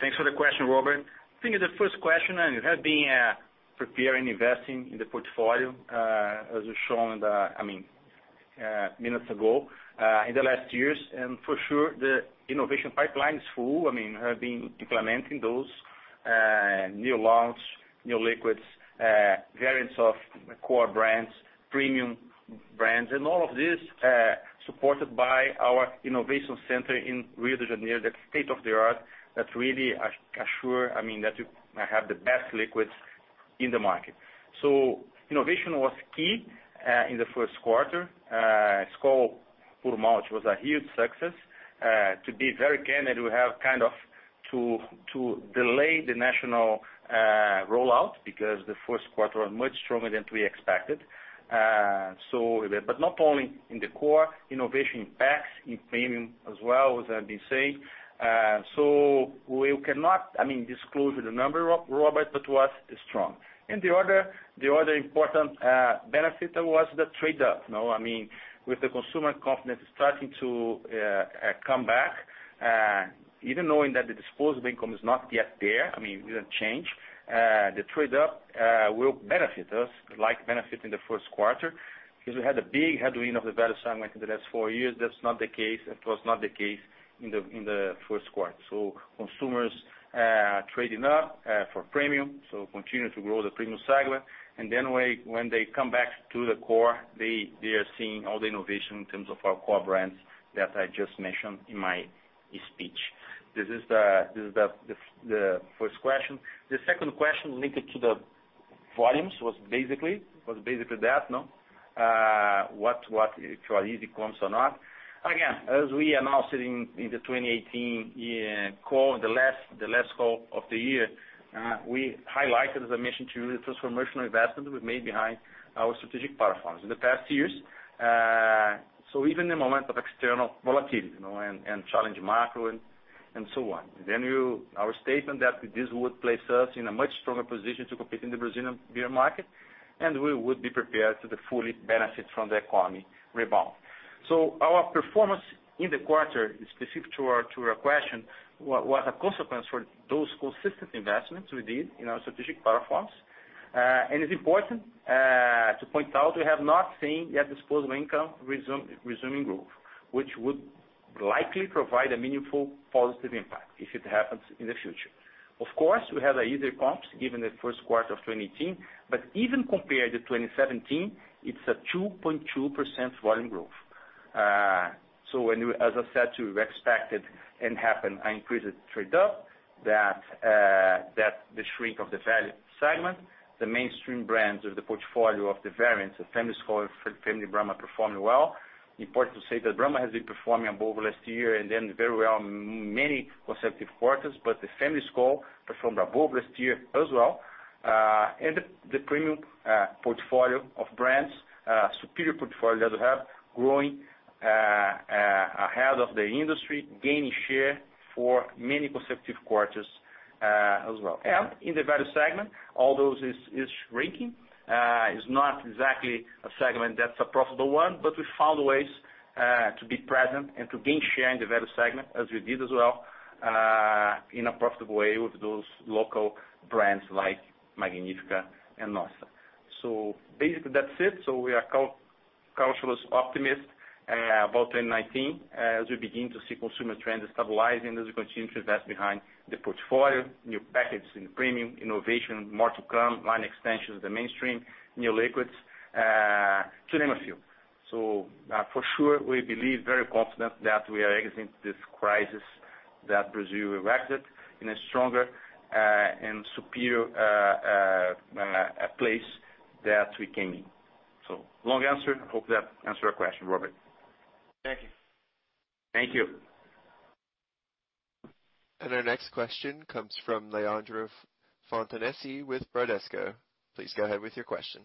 Thanks for the question, Robert. Thinking of the first question, it has been preparing, investing in the portfolio, as we've shown I mean minutes ago in the last years. For sure, the innovation pipeline is full. I mean, have been implementing those new launch, new liquids, variants of core brands, premium brands, and all of this supported by our innovation center in Rio de Janeiro, the state-of-the-art, that really assures I mean that you have the best liquids in the market. Innovation was key in the first quarter. Skol Puro Malte was a huge success. To be very candid, we have kind of to delay the national rollout because the first quarter was much stronger than we expected. Not only in the core innovation packs, in premium as well, as I've been saying. We cannot, I mean, disclose the number, Robert, but to us it's strong. The other important benefit was the trade-up. You know, I mean, with the consumer confidence starting to come back, even knowing that the disposable income is not yet there, I mean, it didn't change the trade-up will benefit us, like benefit in the first quarter because we had a big headwind of the value segment in the last four years. That's not the case. It was not the case in the first quarter. Consumers trading up for premium, so continue to grow the premium segment. Then when they come back to the core, they are seeing all the innovation in terms of our core brands that I just mentioned in my speech. This is the first question. The second question linked to the volumes was basically that, no? What if you are easy comps or not. Again, as we announced it in the 2018 year call, the last call of the year, we highlighted, as I mentioned to you, the transformational investment we've made behind our strategic platforms in the past years. So even in a moment of external volatility, you know, and challenging macro and so on. Our statement that this would place us in a much stronger position to compete in the Brazilian beer market, and we would be prepared to fully benefit from the economic rebound. Our performance in the quarter is specific to our execution, was a consequence of those consistent investments we did in our strategic platforms. It's important to point out we have not seen yet disposable income resuming growth, which would likely provide a meaningful positive impact if it happens in the future. Of course, we have an easier comps given the first quarter of 2018, but even compared to 2017, it's a 2.2% volume growth. When you... As I said to you, we expected and happened, an increased trade up that the shrink of the value segment, the mainstream brands of the portfolio of the variants of Family Skol, Family Brahma performing well. Important to say that Brahma has been performing above last year and then very well many consecutive quarters. The Family Skol performed above last year as well. And the premium portfolio of brands, superior portfolio that we have growing ahead of the industry, gaining share for many consecutive quarters, as well. In the value segment, although is shrinking, is not exactly a segment that's a profitable one, but we found ways to be present and to gain share in the value segment as we did as well, in a profitable way with those local brands like Magnífica and Nossa. Basically, that's it. We are cautiously optimistic about 2019 as we begin to see consumer trends stabilizing as we continue to invest behind the portfolio, new packs in premium, innovation, more to come, line extensions in the mainstream, new liquids, to name a few. For sure, we are very confident that we are exiting this crisis that Brazil entered in a stronger and superior place than we came in. Long answer. I hope that answered your question, Robert. Thank you. Thank you. Our next question comes from Leandro Fontanesi with Bradesco. Please go ahead with your question.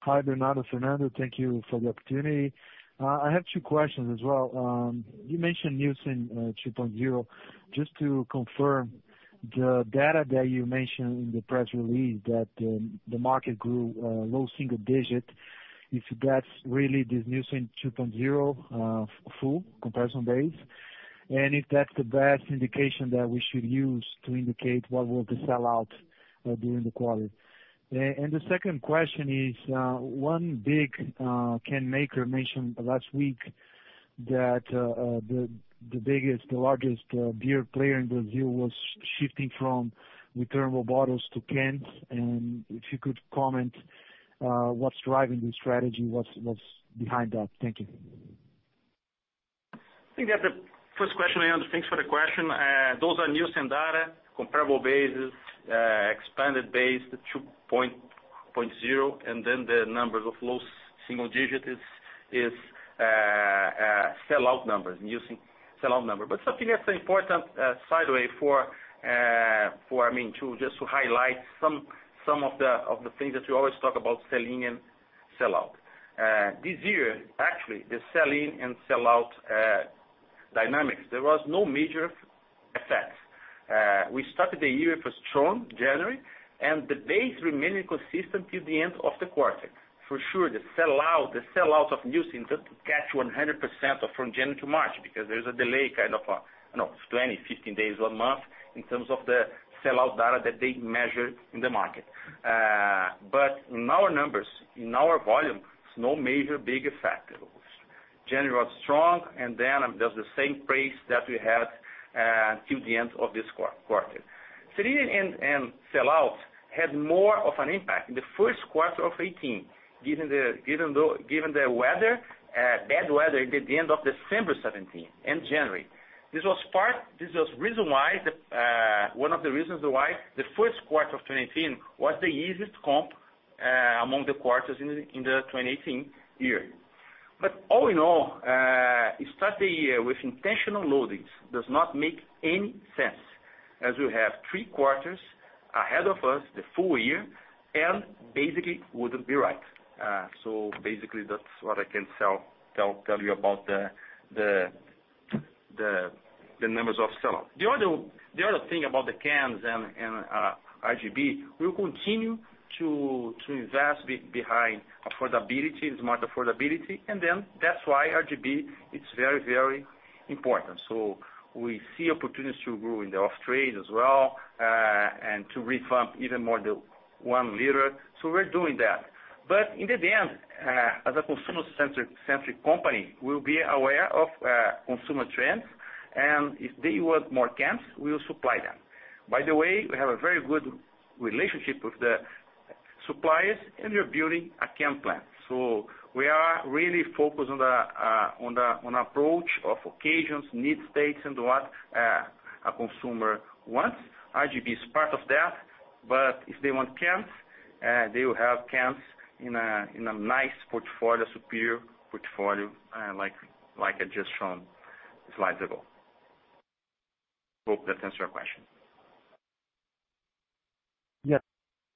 Hi, Bernardo, Fernando. Thank you for the opportunity. I have two questions as well. You mentioned Nielsen 2.0. Just to confirm the data that you mentioned in the press release, that the market grew low single digit. If that's really this Nielsen 2.0 full comparison base, and if that's the best indication that we should use to indicate what will the sell out during the quarter. The second question is, one big can maker mentioned last week that the biggest, the largest beer player in Brazil was shifting from returnable bottles to cans. If you could comment what's driving this strategy? What's behind that? Thank you. I think that's the first question, Leandro. Thanks for the question. Those are Nielsen data, comparable basis, expanded base, the 2.0%, and then the low single-digit numbers are sellout numbers, using sellout number. Something that's important, I mean, to just highlight some of the things that you always talk about sell-in and sellout. This year, actually, the sell-in and sellout dynamics, there was no major effect. We started the year with a strong January, and the base remaining consistent till the end of the quarter. For sure, the sellout of new things doesn't catch 100% from January to March because there's a delay kind of, you know, 20 days-15 days, one month in terms of the sellout data that they measure in the market. In our numbers, in our volume, there's no major big effect. January was strong, and then that's the same pace that we had till the end of this quarter. Sell-in and sellout had more of an impact in the first quarter of 2018, given the bad weather at the end of December 2017 and January. This was one of the reasons why the first quarter of 2018 was the easiest comp among the quarters in the 2018 year. All in all, start the year with intentional loadings does not make any sense as we have three quarters ahead of us, the full year, and basically wouldn't be right. Basically, that's what I can tell you about the numbers of sellout. The other thing about the cans and RGB, we continue to invest behind affordability, smart affordability, and then that's why RGB is very, very important. We see opportunities to grow in the off-trade as well, and to revamp even more the one liter. We're doing that. In the end, as a consumer-centric company, we'll be aware of consumer trends, and if they want more cans, we'll supply them. By the way, we have a very good relationship with the suppliers, and we're building a can plant. We are really focused on the approach of occasions, need states, and what a consumer wants. RGB is part of that, but if they want cans, they will have cans in a nice, superior portfolio, like I just shown slides ago. Hope that answers your question. Thank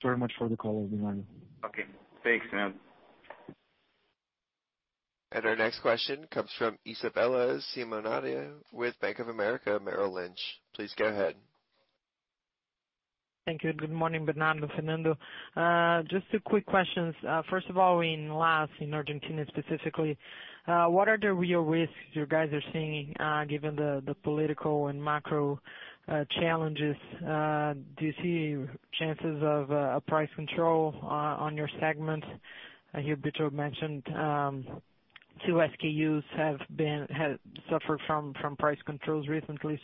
you very much for the call, everyone. Okay. Thanks, Sam. Our next question comes from Isabella Simonato with Bank of America Merrill Lynch. Please go ahead. Thank you. Good morning, Bernardo, Fernando. Just two quick questions. First of all, in LAS, in Argentina specifically, what are the real risks you guys are seeing, given the political and macro challenges? Do you see chances of a price control on your segment? I hear Bitto mentioned, two SKUs have suffered from price controls recently.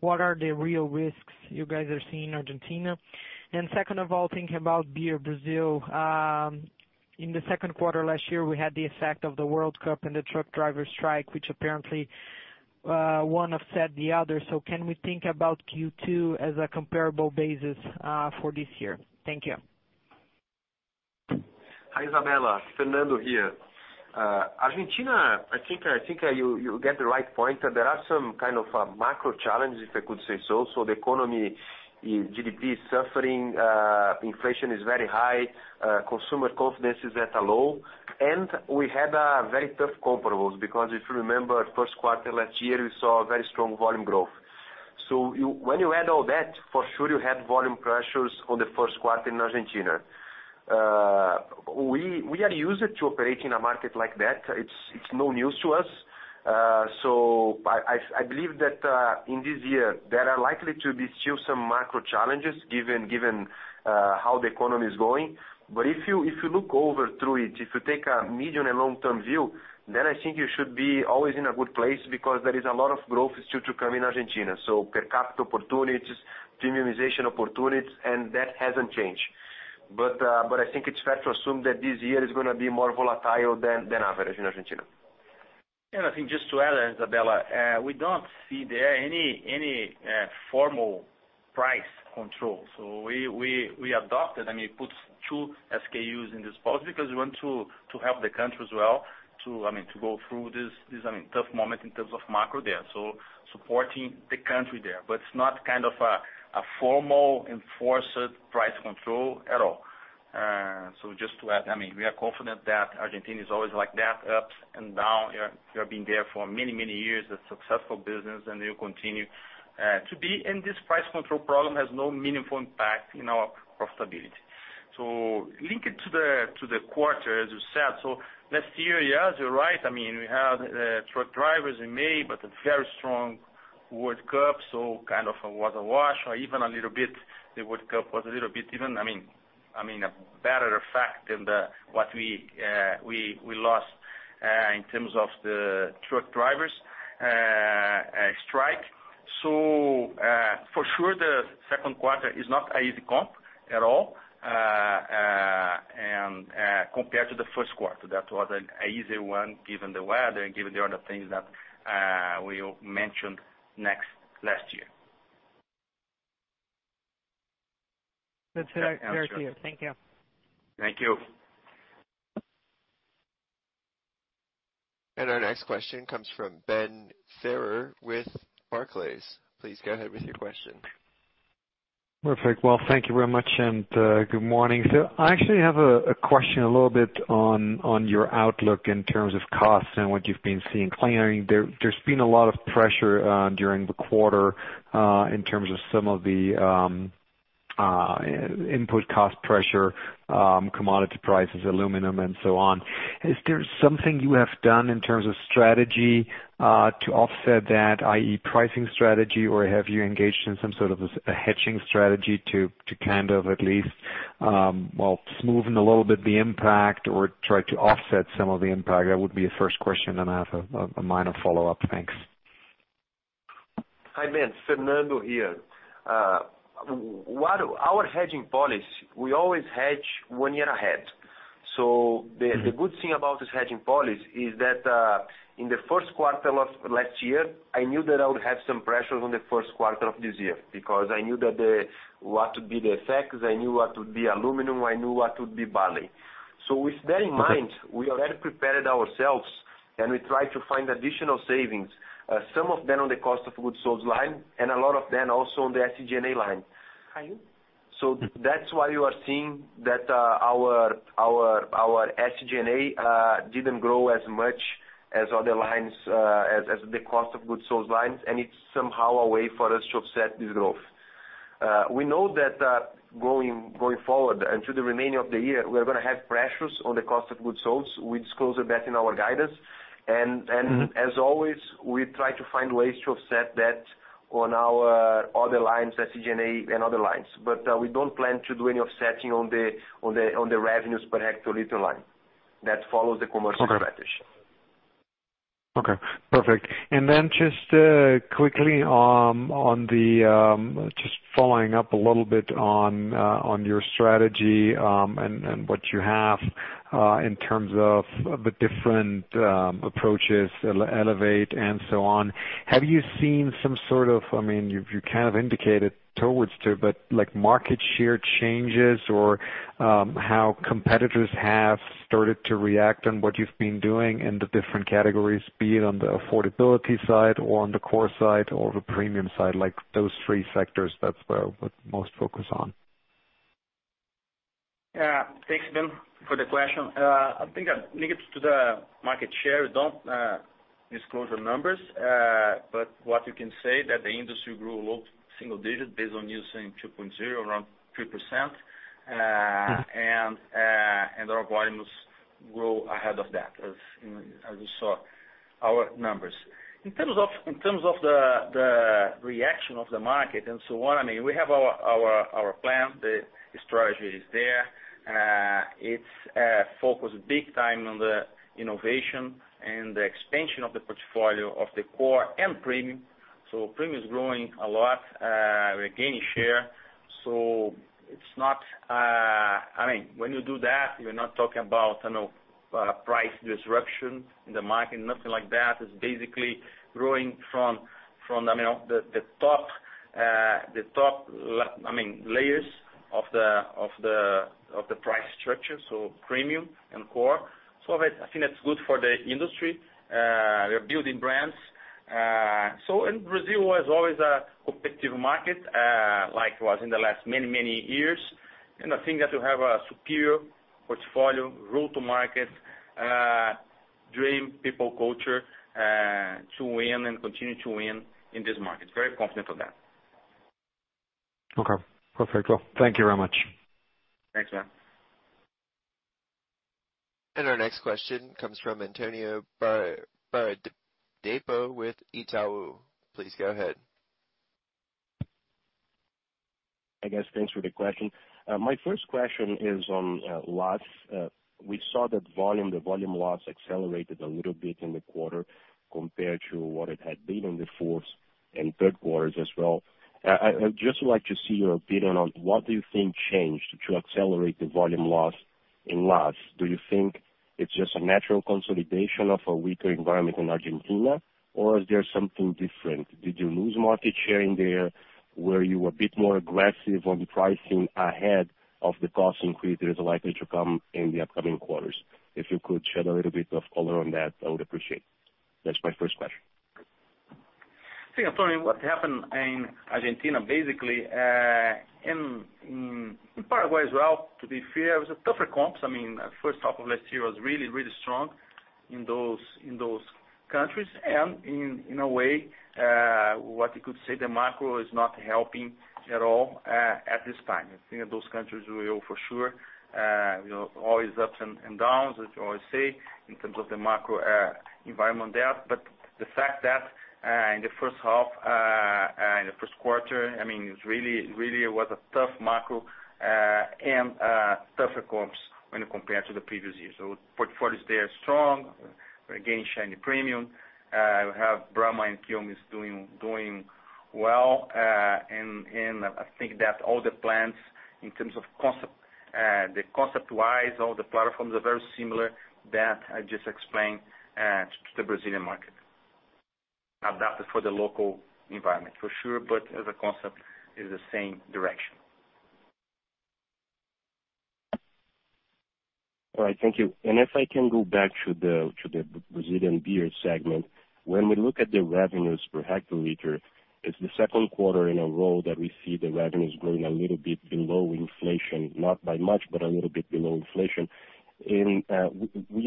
What are the real risks you guys are seeing in Argentina? Second of all, thinking about Beer Brazil, in the second quarter last year, we had the effect of the World Cup and the truck driver strike, which apparently one offset the other. Can we think about Q2 as a comparable basis for this year? Thank you. Hi, Isabella. Fernando here. Argentina, I think you get the right point. There are some kind of macro challenges, if I could say so. The economy, GDP is suffering, inflation is very high, consumer confidence is at a low. We had a very tough comparables because if you remember first quarter last year, we saw a very strong volume growth. When you add all that, for sure you had volume pressures on the first quarter in Argentina. We are used to operating a market like that. It's no news to us. I believe that in this year, there are likely to be still some macro challenges given how the economy is going. If you look over through it, if you take a medium and long-term view, then I think you should be always in a good place because there is a lot of growth still to come in Argentina. Per capita opportunities, premiumization opportunities, and that hasn't changed. I think it's fair to assume that this year is gonna be more volatile than average in Argentina. I think just to add, Isabella, we don't see there any formal price control. We adopted, I mean, it puts two SKUs in this space because we want to help the country as well to, I mean, to go through this tough moment in terms of macro there. Supporting the country there. It's not kind of a formal enforced price control at all. Just to add, I mean, we are confident that Argentina is always like that, ups and down. We have been there for many, many years, a successful business, and we'll continue to be. This price control problem has no meaningful impact in our profitability. Link it to the quarter, as you said. Last year, yes, you're right. I mean, we had truck drivers in May, but a very strong World Cup, so kind of a wash or even a little bit, the World Cup was a little bit even. I mean, a better effect than what we lost in terms of the truck drivers strike. For sure the second quarter is not an easy comp at all. Compared to the first quarter, that was an easy one given the weather and given the other things that we mentioned last year. That's fair to you. Thank you. Thank you. Our next question comes from Benjamin Theurer with Barclays. Please go ahead with your question. Perfect. Well, thank you very much and, good morning. I actually have a question a little bit on your outlook in terms of costs and what you've been seeing lately. There's been a lot of pressure during the quarter in terms of some of the input cost pressure, commodity prices, aluminum and so on. Is there something you have done in terms of strategy to offset that, i.e., pricing strategy, or have you engaged in some sort of a hedging strategy to kind of at least smoothen a little bit the impact or try to offset some of the impact? That would be a first question, then I have a minor follow-up. Thanks. Hi, Ben. Fernando here. Our hedging policy, we always hedge one year ahead. The good thing about this hedging policy is that, in the first quarter of last year, I knew that I would have some pressures on the first quarter of this year because I knew what would be the effects, I knew what would be aluminum, I knew what would be barley. With that in mind, we already prepared ourselves, and we tried to find additional savings, some of them on the cost of goods sold line, and a lot of them also on the SG&A line. Okay. That's why you are seeing that our SG&A didn't grow as much as other lines, as the cost of goods sold lines. It's somehow a way for us to offset this growth. We know that going forward and through the remainder of the year, we are gonna have pressures on the cost of goods sold. We disclosed that in our guidance. As always, we try to find ways to offset that on our other lines, SG&A and other lines. We don't plan to do any offsetting on the revenues per hectoliter line. That follows the commercial strategy. Okay. Perfect. Just quickly on the just following up a little bit on your strategy and what you have in terms of the different approaches, Elevate and so on. Have you seen some sort of? I mean, you've kind of indicated towards to, but like market share changes or how competitors have started to react on what you've been doing in the different categories, be it on the affordability side or on the core side or the premium side, like those three sectors, that's where we're most focused on. Yeah. Thanks, Ben, for the question. I think linked to the market share, we don't disclose the numbers. What you can say that the industry grew low single digit based on Nielsen 2.0, around 3%. Our volumes grow ahead of that, as you know, as you saw our numbers. In terms of the reaction of the market and so on, I mean, we have our plan. The strategy is there. It's focused big time on the innovation and the expansion of the portfolio of the core and premium. Premium is growing a lot, regaining share. It's not. I mean, when you do that, you're not talking about, you know, price disruption in the market, nothing like that. It's basically growing from, I mean, the top layers of the price structure, so premium and core. I think that's good for the industry. We are building brands. Brazil was always a competitive market, like it was in the last many years. I think that we have a superior portfolio route to market, dream people culture, to win and continue to win in this market. Very confident of that. Okay. Perfect. Well, thank you very much. Thanks, Ben. Our next question comes from Antonio Barreto with Itaú BBA. Please go ahead. I guess thanks for the question. My first question is on LAS. We saw that the volume loss accelerated a little bit in the quarter compared to what it had been in the fourth and third quarters as well. I'd just like to see your opinion on what do you think changed to accelerate the volume loss in LAS? Do you think it's just a natural consolidation of a weaker environment in Argentina, or is there something different? Did you lose market share in there? Were you a bit more aggressive on the pricing ahead of the cost increase that is likely to come in the upcoming quarters? If you could shed a little bit of color on that, I would appreciate. That's my first question. Yeah, Tony, what happened in Argentina, basically, in Paraguay as well, to be fair, it was tougher comps. I mean, first half of last year was really strong in those countries. In a way, what you could say, the macro is not helping at all at this time. I think that those countries will for sure, you know, always ups and downs, as you always say, in terms of the macro environment there. The fact that, in the first half, in the first quarter, I mean, it really was a tough macro and tougher comps when compared to the previous year. Portfolios there are strong. We're gaining share in the premium. We have Brahma and Quilmes doing well. I think that all the plans in terms of concept-wise, all the platforms are very similar that I just explained to the Brazilian market. Adapted for the local environment for sure, but as a concept is the same direction. All right, thank you. If I can go back to the Brazilian beer segment. When we look at the revenues per hectoliter, it's the second quarter in a row that we see the revenues growing a little bit below inflation, not by much, but a little bit below inflation. We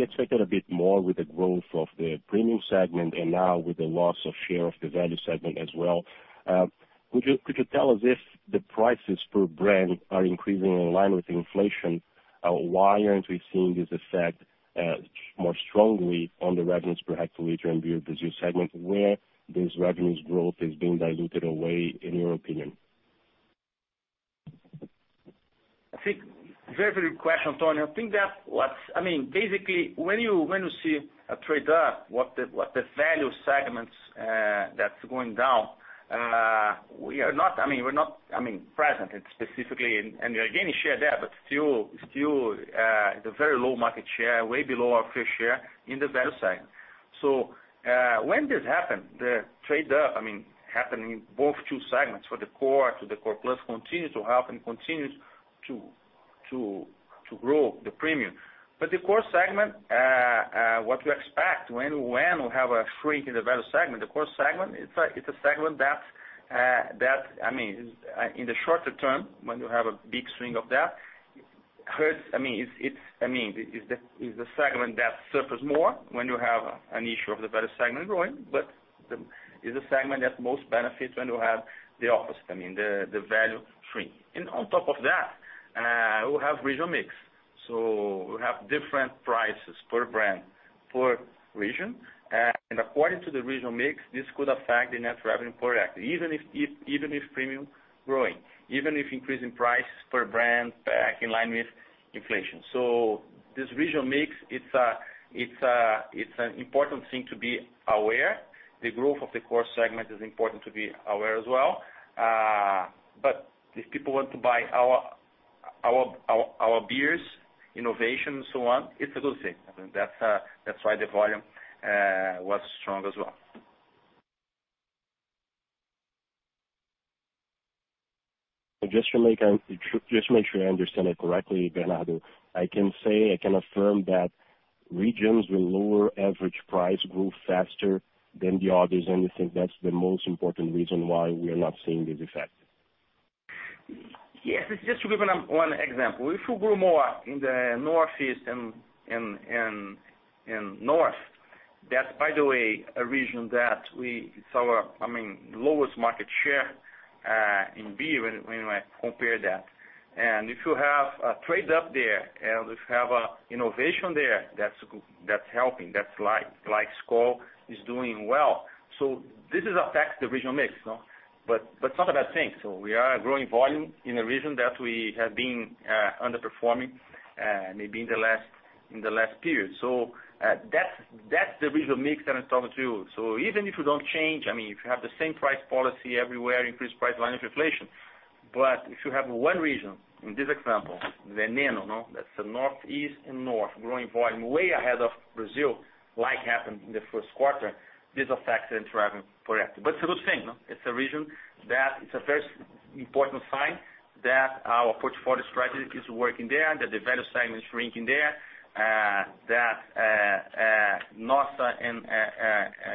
expected a bit more with the growth of the premium segment and now with the loss of share of the value segment as well. Could you tell us if the prices per brand are increasing in line with inflation, why aren't we seeing this effect more strongly on the revenues per hectoliter in beer Brazil segment, where this revenues growth is being diluted away in your opinion? That's a very good question, Tony. I think that, I mean, basically when you see a trade up, the value segment that's going down, we're not, I mean, present specifically and we're gaining share there, but still, the very low market share, way below our fair share in the value segment. When the trade up happened, I mean, happened in both segments from the core to the core plus continues to happen, continues to grow the premium. The core segment, what we expect when we have a shrink in the value segment, the core segment is a segment that, I mean, in the shorter term, when you have a big swing of that, hurts, I mean, it is the segment that suffers more when you have an issue of the value segment growing, but it is the segment that most benefits when you have the opposite, I mean, the value shrinking. On top of that, we have regional mix. We have different prices per brand, per region. According to the regional mix, this could affect the net revenue per hectoliter even if premium growing, even if increasing prices per brand back in line with inflation. This regional mix, it's an important thing to be aware. The growth of the core segment is important to be aware as well. If people want to buy our beers, innovation and so on, it's a good thing. That's why the volume was strong as well. Just to make sure I understand it correctly, Bernardo, I can say, I can affirm that regions with lower average price grew faster than the others, and you think that's the most important reason why we are not seeing this effect? Yes. Just to give one example. If you grew more in the Northeast and North, that's by the way a region that it's our, I mean, lowest market share in beer when you compare that. If you have a trade up there and if you have an innovation there, that's helping, that's like Skol is doing well. This affects the regional mix. It's not a bad thing. We are growing volume in a region that we have been underperforming maybe in the last period. That's the regional mix that I'm talking to. Even if you don't change, I mean, if you have the same price policy everywhere, increase price in line with inflation. If you have one region, in this example, Northeast, that's the Northeast and North growing volume way ahead of Brazil, like happened in the first quarter, this affects the net revenue per hectoliter. It's a good thing. It's a region that it's a very important sign that our portfolio strategy is working there, that the value segment is shrinking there, that Nossa and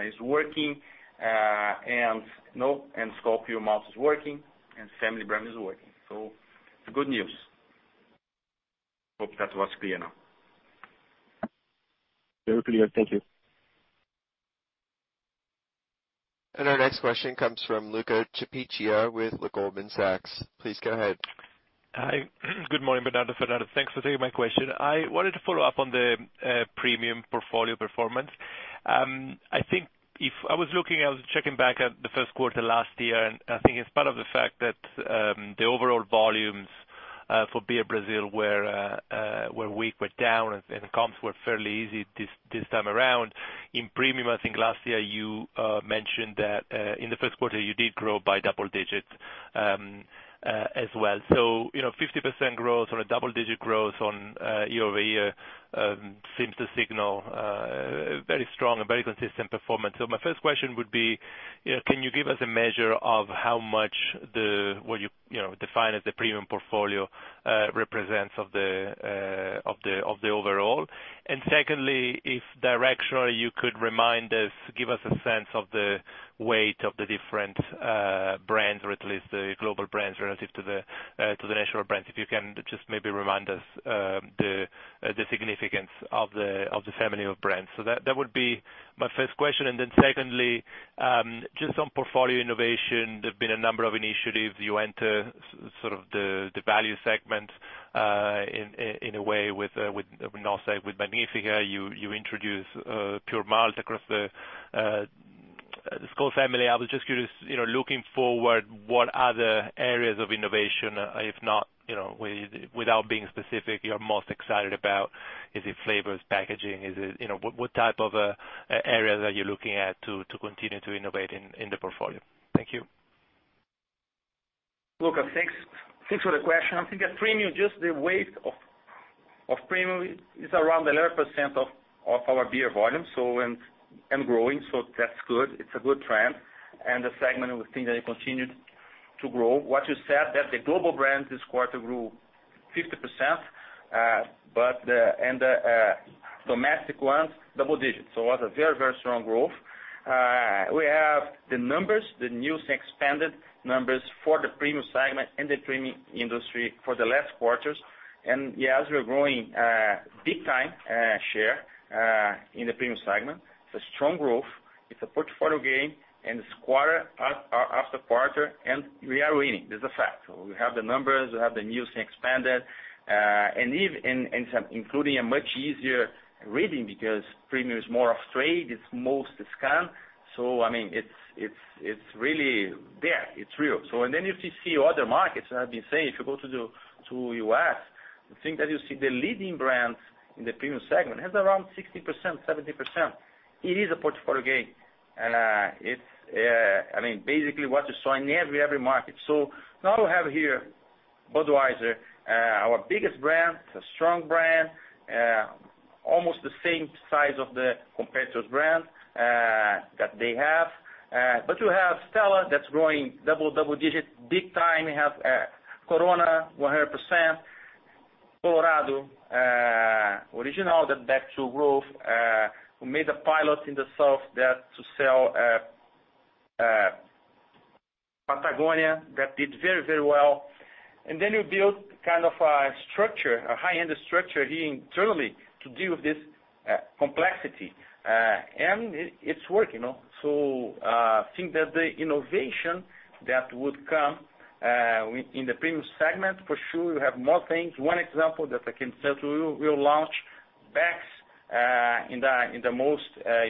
is working, and Skol Puro Malte is working, and family brand is working. It's good news. Hope that was clear now. Very clear. Thank you. Our next question comes from Luca Cipiccia with Goldman Sachs. Please go ahead. Hi. Good morning, Bernardo, Fernando. Thanks for taking my question. I wanted to follow up on the premium portfolio performance. I think if I was looking, I was checking back at the first quarter last year, and I think it's part of the fact that the overall volumes for Beer Brazil were weak and down, and comps were fairly easy this time around. In premium, I think last year you mentioned that in the first quarter you did grow by double digits as well. You know, 50% growth or a double-digit growth on year-over-year seems to signal very strong and very consistent performance. My first question would be, you know, can you give us a measure of how much what you define as the premium portfolio represents of the overall? Secondly, if directionally you could remind us, give us a sense of the weight of the different brands, or at least the global brands relative to the national brands. If you can just maybe remind us the significance of the family of brands. That would be my first question. Secondly, just on portfolio innovation, there have been a number of initiatives. You enter sort of the value segment in a way with Nossa, with Magnífica. You introduce Pure Malt across the Skol family. I was just curious, you know, looking forward, what other areas of innovation, if not, you know, with, without being specific, you're most excited about. Is it flavors, packaging? Is it, you know, what type of areas are you looking at to continue to innovate in the portfolio? Thank you. Look, thanks. Thanks for the question. I think a premium, just the weight of premium is around 11% of our beer volume, and growing, so that's good. It's a good trend. The segment, we think that it continued to grow. What you said that the global brand this quarter grew 50%, but and the domestic ones, double digits. It was a very strong growth. We have the numbers, the new expanded numbers for the premium segment and the premium industry for the last quarters. Yes, we are growing big time share in the premium segment. It's a strong growth. It's a portfolio gain and it's quarter after quarter, and we are winning. This is a fact. We have the numbers, we have the news expanded, and some including a much easier reading because premium is more off trade, it's mostly scan. I mean, it's really there. It's real. If you see other markets, I've been saying, if you go to the U.S., the thing that you see, the leading brands in the premium segment has around 60%, 70%. It is a portfolio gain. It's I mean, basically what you saw in every market. Now we have here Budweiser, our biggest brand. It's a strong brand, almost the same size of the competitor's brand that they have. But you have Stella that's growing double digits big time. We have Corona, 100%. Colorado, Original, that's back to growth, we made a pilot in the South to test, Patagonia, that did very, very well. You build kind of a structure, a high-end structure here internally to deal with this complexity. It's working. I think that the innovation that would come within the premium segment, for sure you have more things. One example that I can say to you, we'll launch Beck's in the most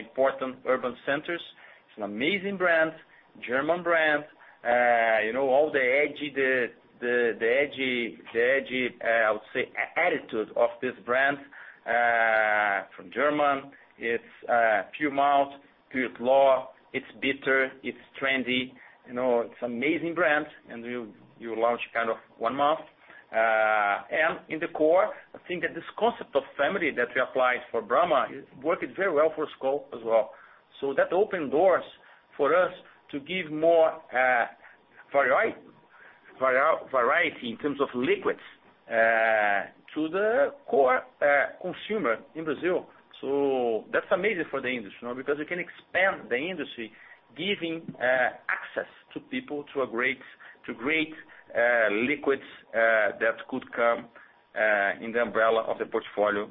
important urban centers. It's an amazing brand, German brand. All the edgy attitude of this brand from Germany. It's a few months to its launch, it's bitter, it's trendy. It's an amazing brand, and we'll launch kind of one month. In the core, I think that this concept of family that we applied for Brahma is working very well for Skol as well. That opened doors for us to give more variety in terms of liquids to the core consumer in Brazil. That's amazing for the industry, you know, because you can expand the industry giving access to people to great liquids that could come in the umbrella of the portfolio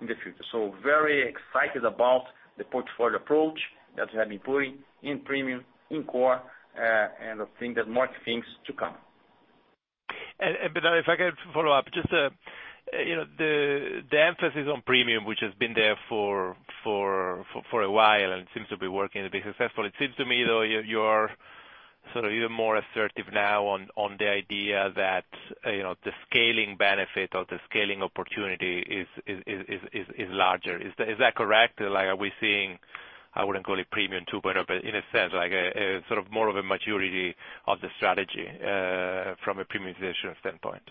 in the future. Very excited about the portfolio approach that we have been putting in premium, in core, and I think that more things to come. Bernardo, if I could follow up. Just, you know, the emphasis on premium, which has been there for a while and seems to be working to be successful, it seems to me though, you're sort of even more assertive now on the idea that, you know, the scaling benefit or the scaling opportunity is larger. Is that correct? Like, are we seeing, I wouldn't call it premium 2.0, but in a sense, like a sort of more of a maturity of the strategy from a premiumization standpoint?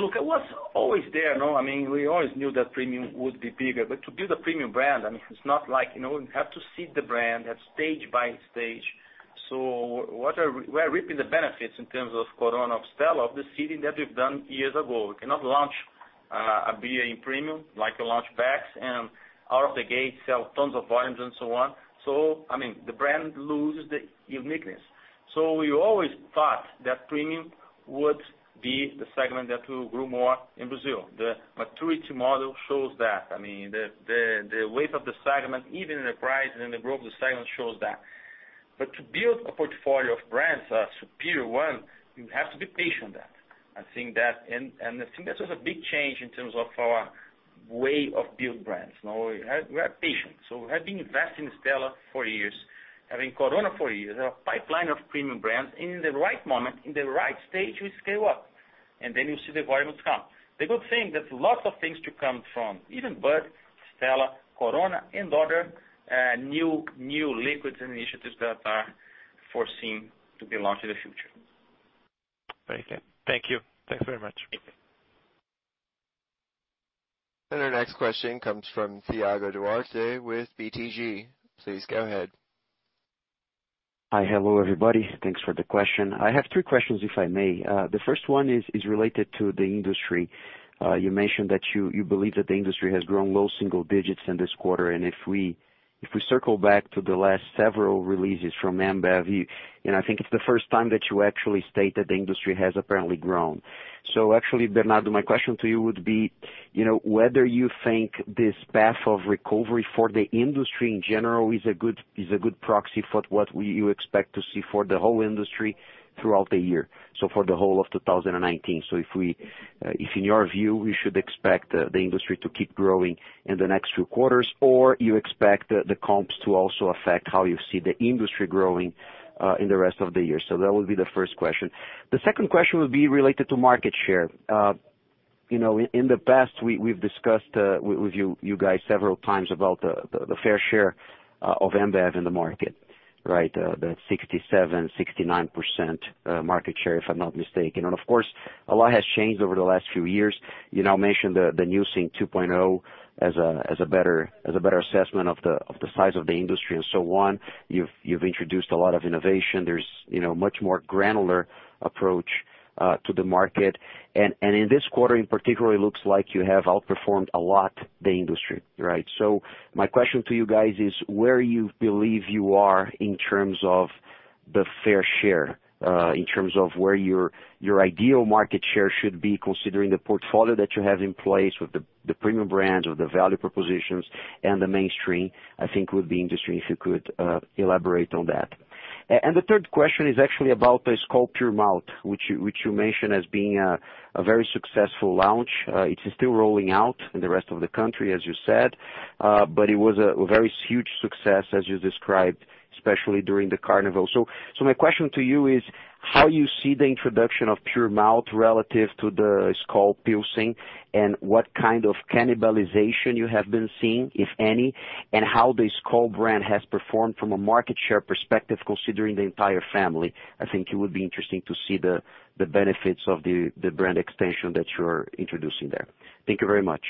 Look, it was always there, no. I mean, we always knew that premium would be bigger. To build a premium brand, I mean, it's not like, you know, we have to seed the brand at stage by stage. We're reaping the benefits in terms of Corona, of Stella, of the seeding that we've done years ago. We cannot launch a beer in premium, like you launch Beck's and out of the gate sell tons of volumes and so on. I mean, the brand loses the uniqueness. We always thought that premium would be the segment that will grow more in Brazil. The maturity model shows that. I mean, the weight of the segment, even in the price and in the growth of the segment shows that. To build a portfolio of brands, a superior one, you have to be patient then. I think that was a big change in terms of our way of building brands. You know, we are patient. We have been investing in Stella for years, having Corona for years, a pipeline of premium brands. In the right moment, in the right stage, we scale up, and then you see the volumes come. The good thing, there's lots of things to come from even Bud, Stella, Corona and other new liquids and initiatives that are foreseen to be launched in the future. Very clear. Thank you. Thanks very much. Okay. Our next question comes from Thiago Duarte with BTG. Please go ahead. Hello, everybody. Thanks for the question. I have three questions, if I may. The first one is related to the industry. You mentioned that you believe that the industry has grown low single digits in this quarter. If we circle back to the last several releases from Ambev, you know, I think it's the first time that you actually state that the industry has apparently grown. Actually, Bernardo, my question to you would be, you know, whether you think this path of recovery for the industry in general is a good proxy for what you expect to see for the whole industry throughout the year, so for the whole of 2019. If in your view, we should expect the industry to keep growing in the next few quarters, or you expect the comps to also affect how you see the industry growing in the rest of the year. That would be the first question. The second question would be related to market share. You know, in the past, we've discussed with you guys several times about the fair share of Ambev in the market, right? The 67%-69% market share, if I'm not mistaken. Of course, a lot has changed over the last few years. You now mention the new Nielsen 2.0 as a better assessment of the size of the industry and so on. You've introduced a lot of innovation. There's, you know, much more granular approach to the market. In this quarter, in particular, it looks like you have outperformed a lot the industry, right? My question to you guys is, where you believe you are in terms of the fair share, in terms of where your ideal market share should be considering the portfolio that you have in place with the premium brands or the value propositions and the mainstream. I think would be interesting if you could elaborate on that. The third question is actually about the Skol Puro Malte, which you mention as being a very successful launch. It is still rolling out in the rest of the country, as you said. It was a very huge success as you described, especially during the Carnival. My question to you is how you see the introduction of Puro Malte relative to the Skol Pilsen, and what kind of cannibalization you have been seeing, if any. How the Skol brand has performed from a market share perspective considering the entire family. I think it would be interesting to see the benefits of the brand extension that you're introducing there. Thank you very much.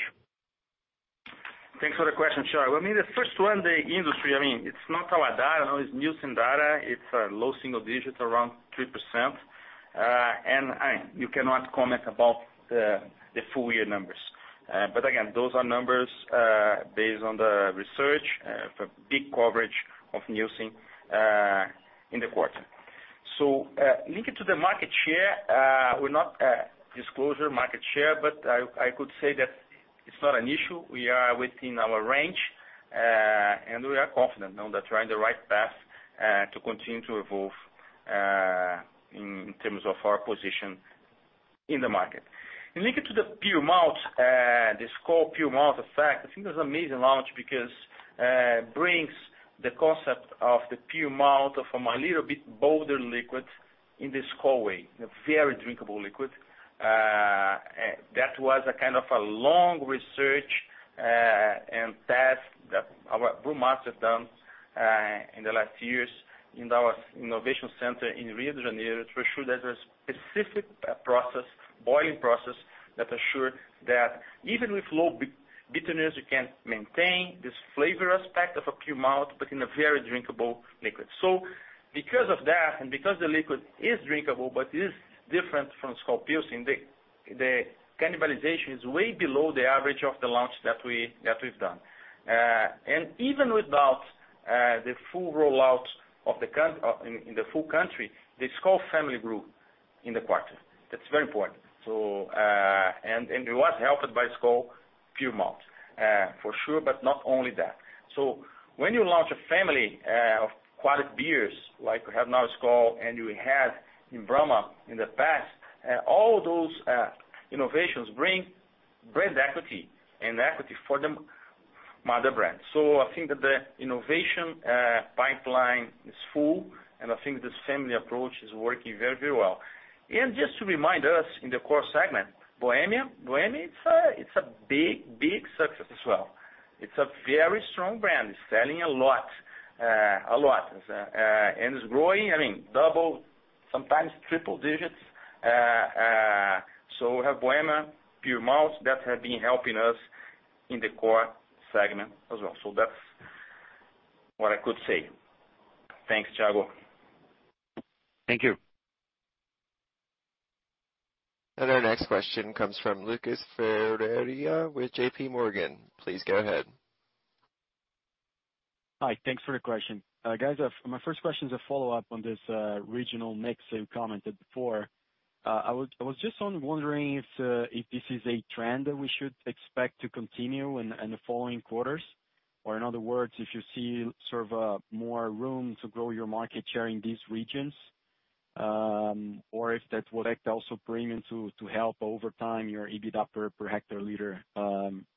Thanks for the question, Thiago. I mean, the first one, the industry, I mean, it's not our data. It's Nielsen data. It's low single digits, around 3%. You cannot comment about the full year numbers. But again, those are numbers based on the research for big coverage of Nielsen in the quarter. Linked to the market share, we're not disclosing market share, but I could say that it's not an issue. We are within our range, and we are confident now that we're on the right path to continue to evolve in terms of our position in the market. Linked to the Puro Malte, the Skol Puro Malte effect, I think it was an amazing launch because it brings the concept of the Puro Malte of a little bit bolder liquid in the Skol way, a very drinkable liquid. That was a kind of a long research and test that our brew masters done in the last years in our innovation center in Rio de Janeiro to ensure there's a specific process, boiling process that assure that even with low bitterness, you can maintain this flavor aspect of a Puro Malte, but in a very drinkable liquid. Because of that, and because the liquid is drinkable but is different from Skol Pilsen, the cannibalization is way below the average of the launch that we've done. Even without the full rollout in the full country, the Skol family grew in the quarter. That's very important. It was helped by Skol Puro Malte, for sure, but not only that. When you launch a family of quality beers, like we have now Skol and we had in Brahma in the past, all those innovations bring brand equity and equity for the mother brand. I think that the innovation pipeline is full, and I think this family approach is working very well. Just to remind us in the core segment, Bohemia it's a big success as well. It's a very strong brand. It's selling a lot. It's growing, I mean, double, sometimes triple digits. We have Bohemia Puro Malte that have been helping us in the core segment as well. That's what I could say. Thanks, Thiago. Thank you. Our next question comes from Lucas Ferreira with J.P. Morgan. Please go ahead. Hi. Thanks for the question. Guys, my first question is a follow-up on this regional mix you commented before. I was just wondering if this is a trend that we should expect to continue in the following quarters? Or in other words, if you see sort of more room to grow your market share in these regions, or if that would also bring it to help over time your EBITDA per hectoliter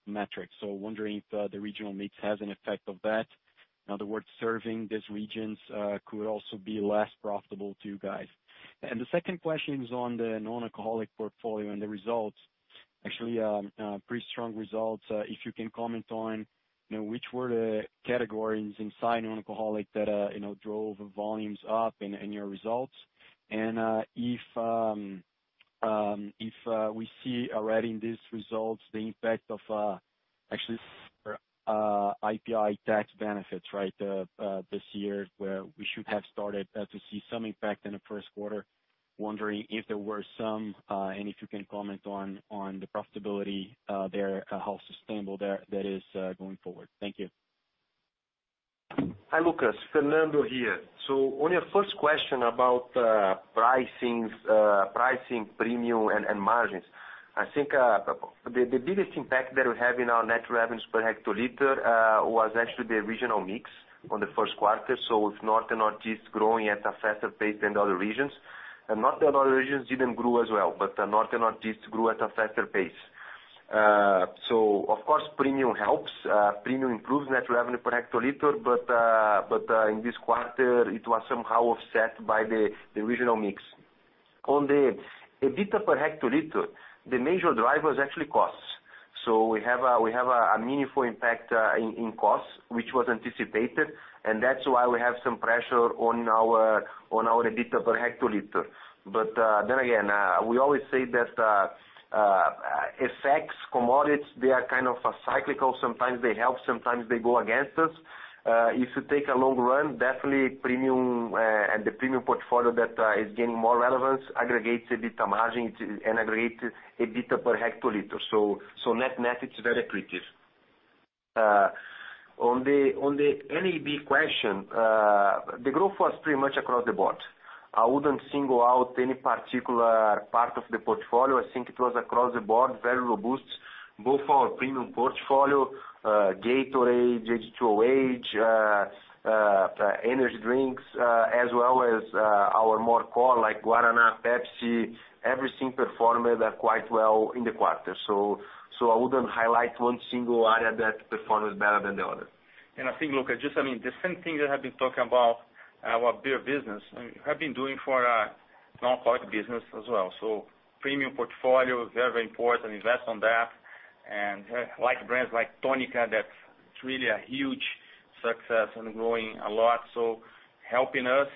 metric. So wondering if the regional mix has an effect of that. In other words, serving these regions could also be less profitable to you guys. The second question is on the non-alcoholic portfolio and the results. Actually, pretty strong results. If you can comment on, you know, which were the categories inside non-alcoholic that, you know, drove volumes up in your results. If we see already in these results the impact of, actually, IPI tax benefits, right? This year where we should have started to see some impact in the first quarter. Wondering if there were some, and if you can comment on the profitability there, how sustainable that is going forward. Thank you. Hi, Lucas. Fernando here. On your first question about pricing premium and margins. I think the biggest impact that we have in our net revenue per hectoliter was actually the regional mix in the first quarter. It's North and Northeast growing at a faster pace than the other regions. Not that other regions didn't grow as well, but the North and Northeast grew at a faster pace. Of course, premium helps. Premium improves net revenue per hectoliter, but in this quarter, it was somehow offset by the regional mix. On the EBITDA per hectoliter, the major driver is actually costs. We have a meaningful impact in costs, which was anticipated, and that's why we have some pressure on our EBITDA per hectoliter. Then again, we always say that effects, commodities, they are kind of cyclical. Sometimes they help, sometimes they go against us. If you take in the long run, definitely premium and the premium portfolio that is gaining more relevance aggregates EBITDA margin and aggregates EBITDA per hectoliter. Net-net, it's very accretive. On the NAB question, the growth was pretty much across the board. I wouldn't single out any particular part of the portfolio. I think it was across the board, very robust, both our premium portfolio, Gatorade, H2OH!, energy drinks, as well as our more core like Guaraná, Pepsi. Everything performed quite well in the quarter. I wouldn't highlight one single area that performed better than the other. I think, look, just, I mean, the same thing that I've been talking about our beer business, we have been doing for non-product business as well. Premium portfolio is very important, invest on that. Like brands like Tônica, that's really a huge success and growing a lot. Helping us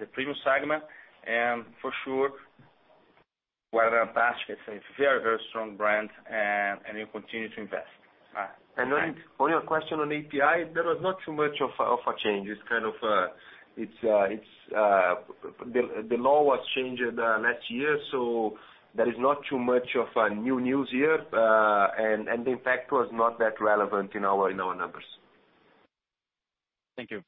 the premium segment, and for sure, Guaraná Antarctica is a very, very strong brand and we continue to invest. All right. On your question on IPI, there was not too much of a change. The law was changed last year, so there is no new news here. The impact was not that relevant in our numbers. Thank you.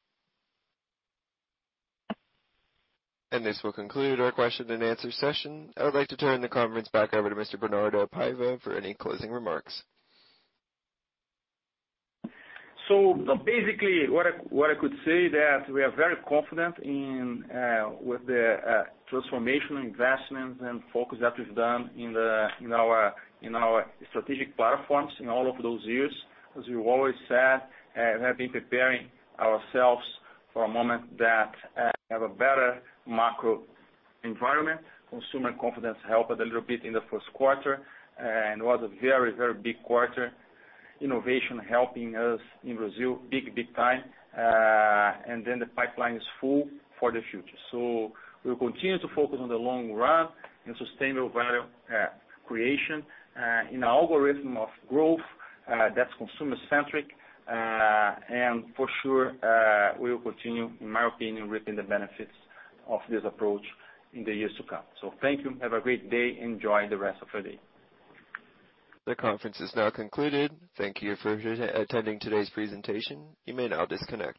This will conclude our question and answer session. I would like to turn the conference back over to Mr. Bernardo Paiva for any closing remarks. Basically, what I could say that we are very confident in with the transformation investment and focus that we've done in our strategic platforms in all of those years. As we've always said, we have been preparing ourselves for a moment that have a better macro environment. Consumer confidence helped a little bit in the first quarter and was a very big quarter. Innovation helping us in Brazil big time. The pipeline is full for the future. We'll continue to focus on the long run and sustainable value creation in our algorithm of growth that's consumer-centric. For sure, we will continue, in my opinion, reaping the benefits of this approach in the years to come. Thank you. Have a great day. Enjoy the rest of your day. The conference is now concluded. Thank you for attending today's presentation. You may now disconnect.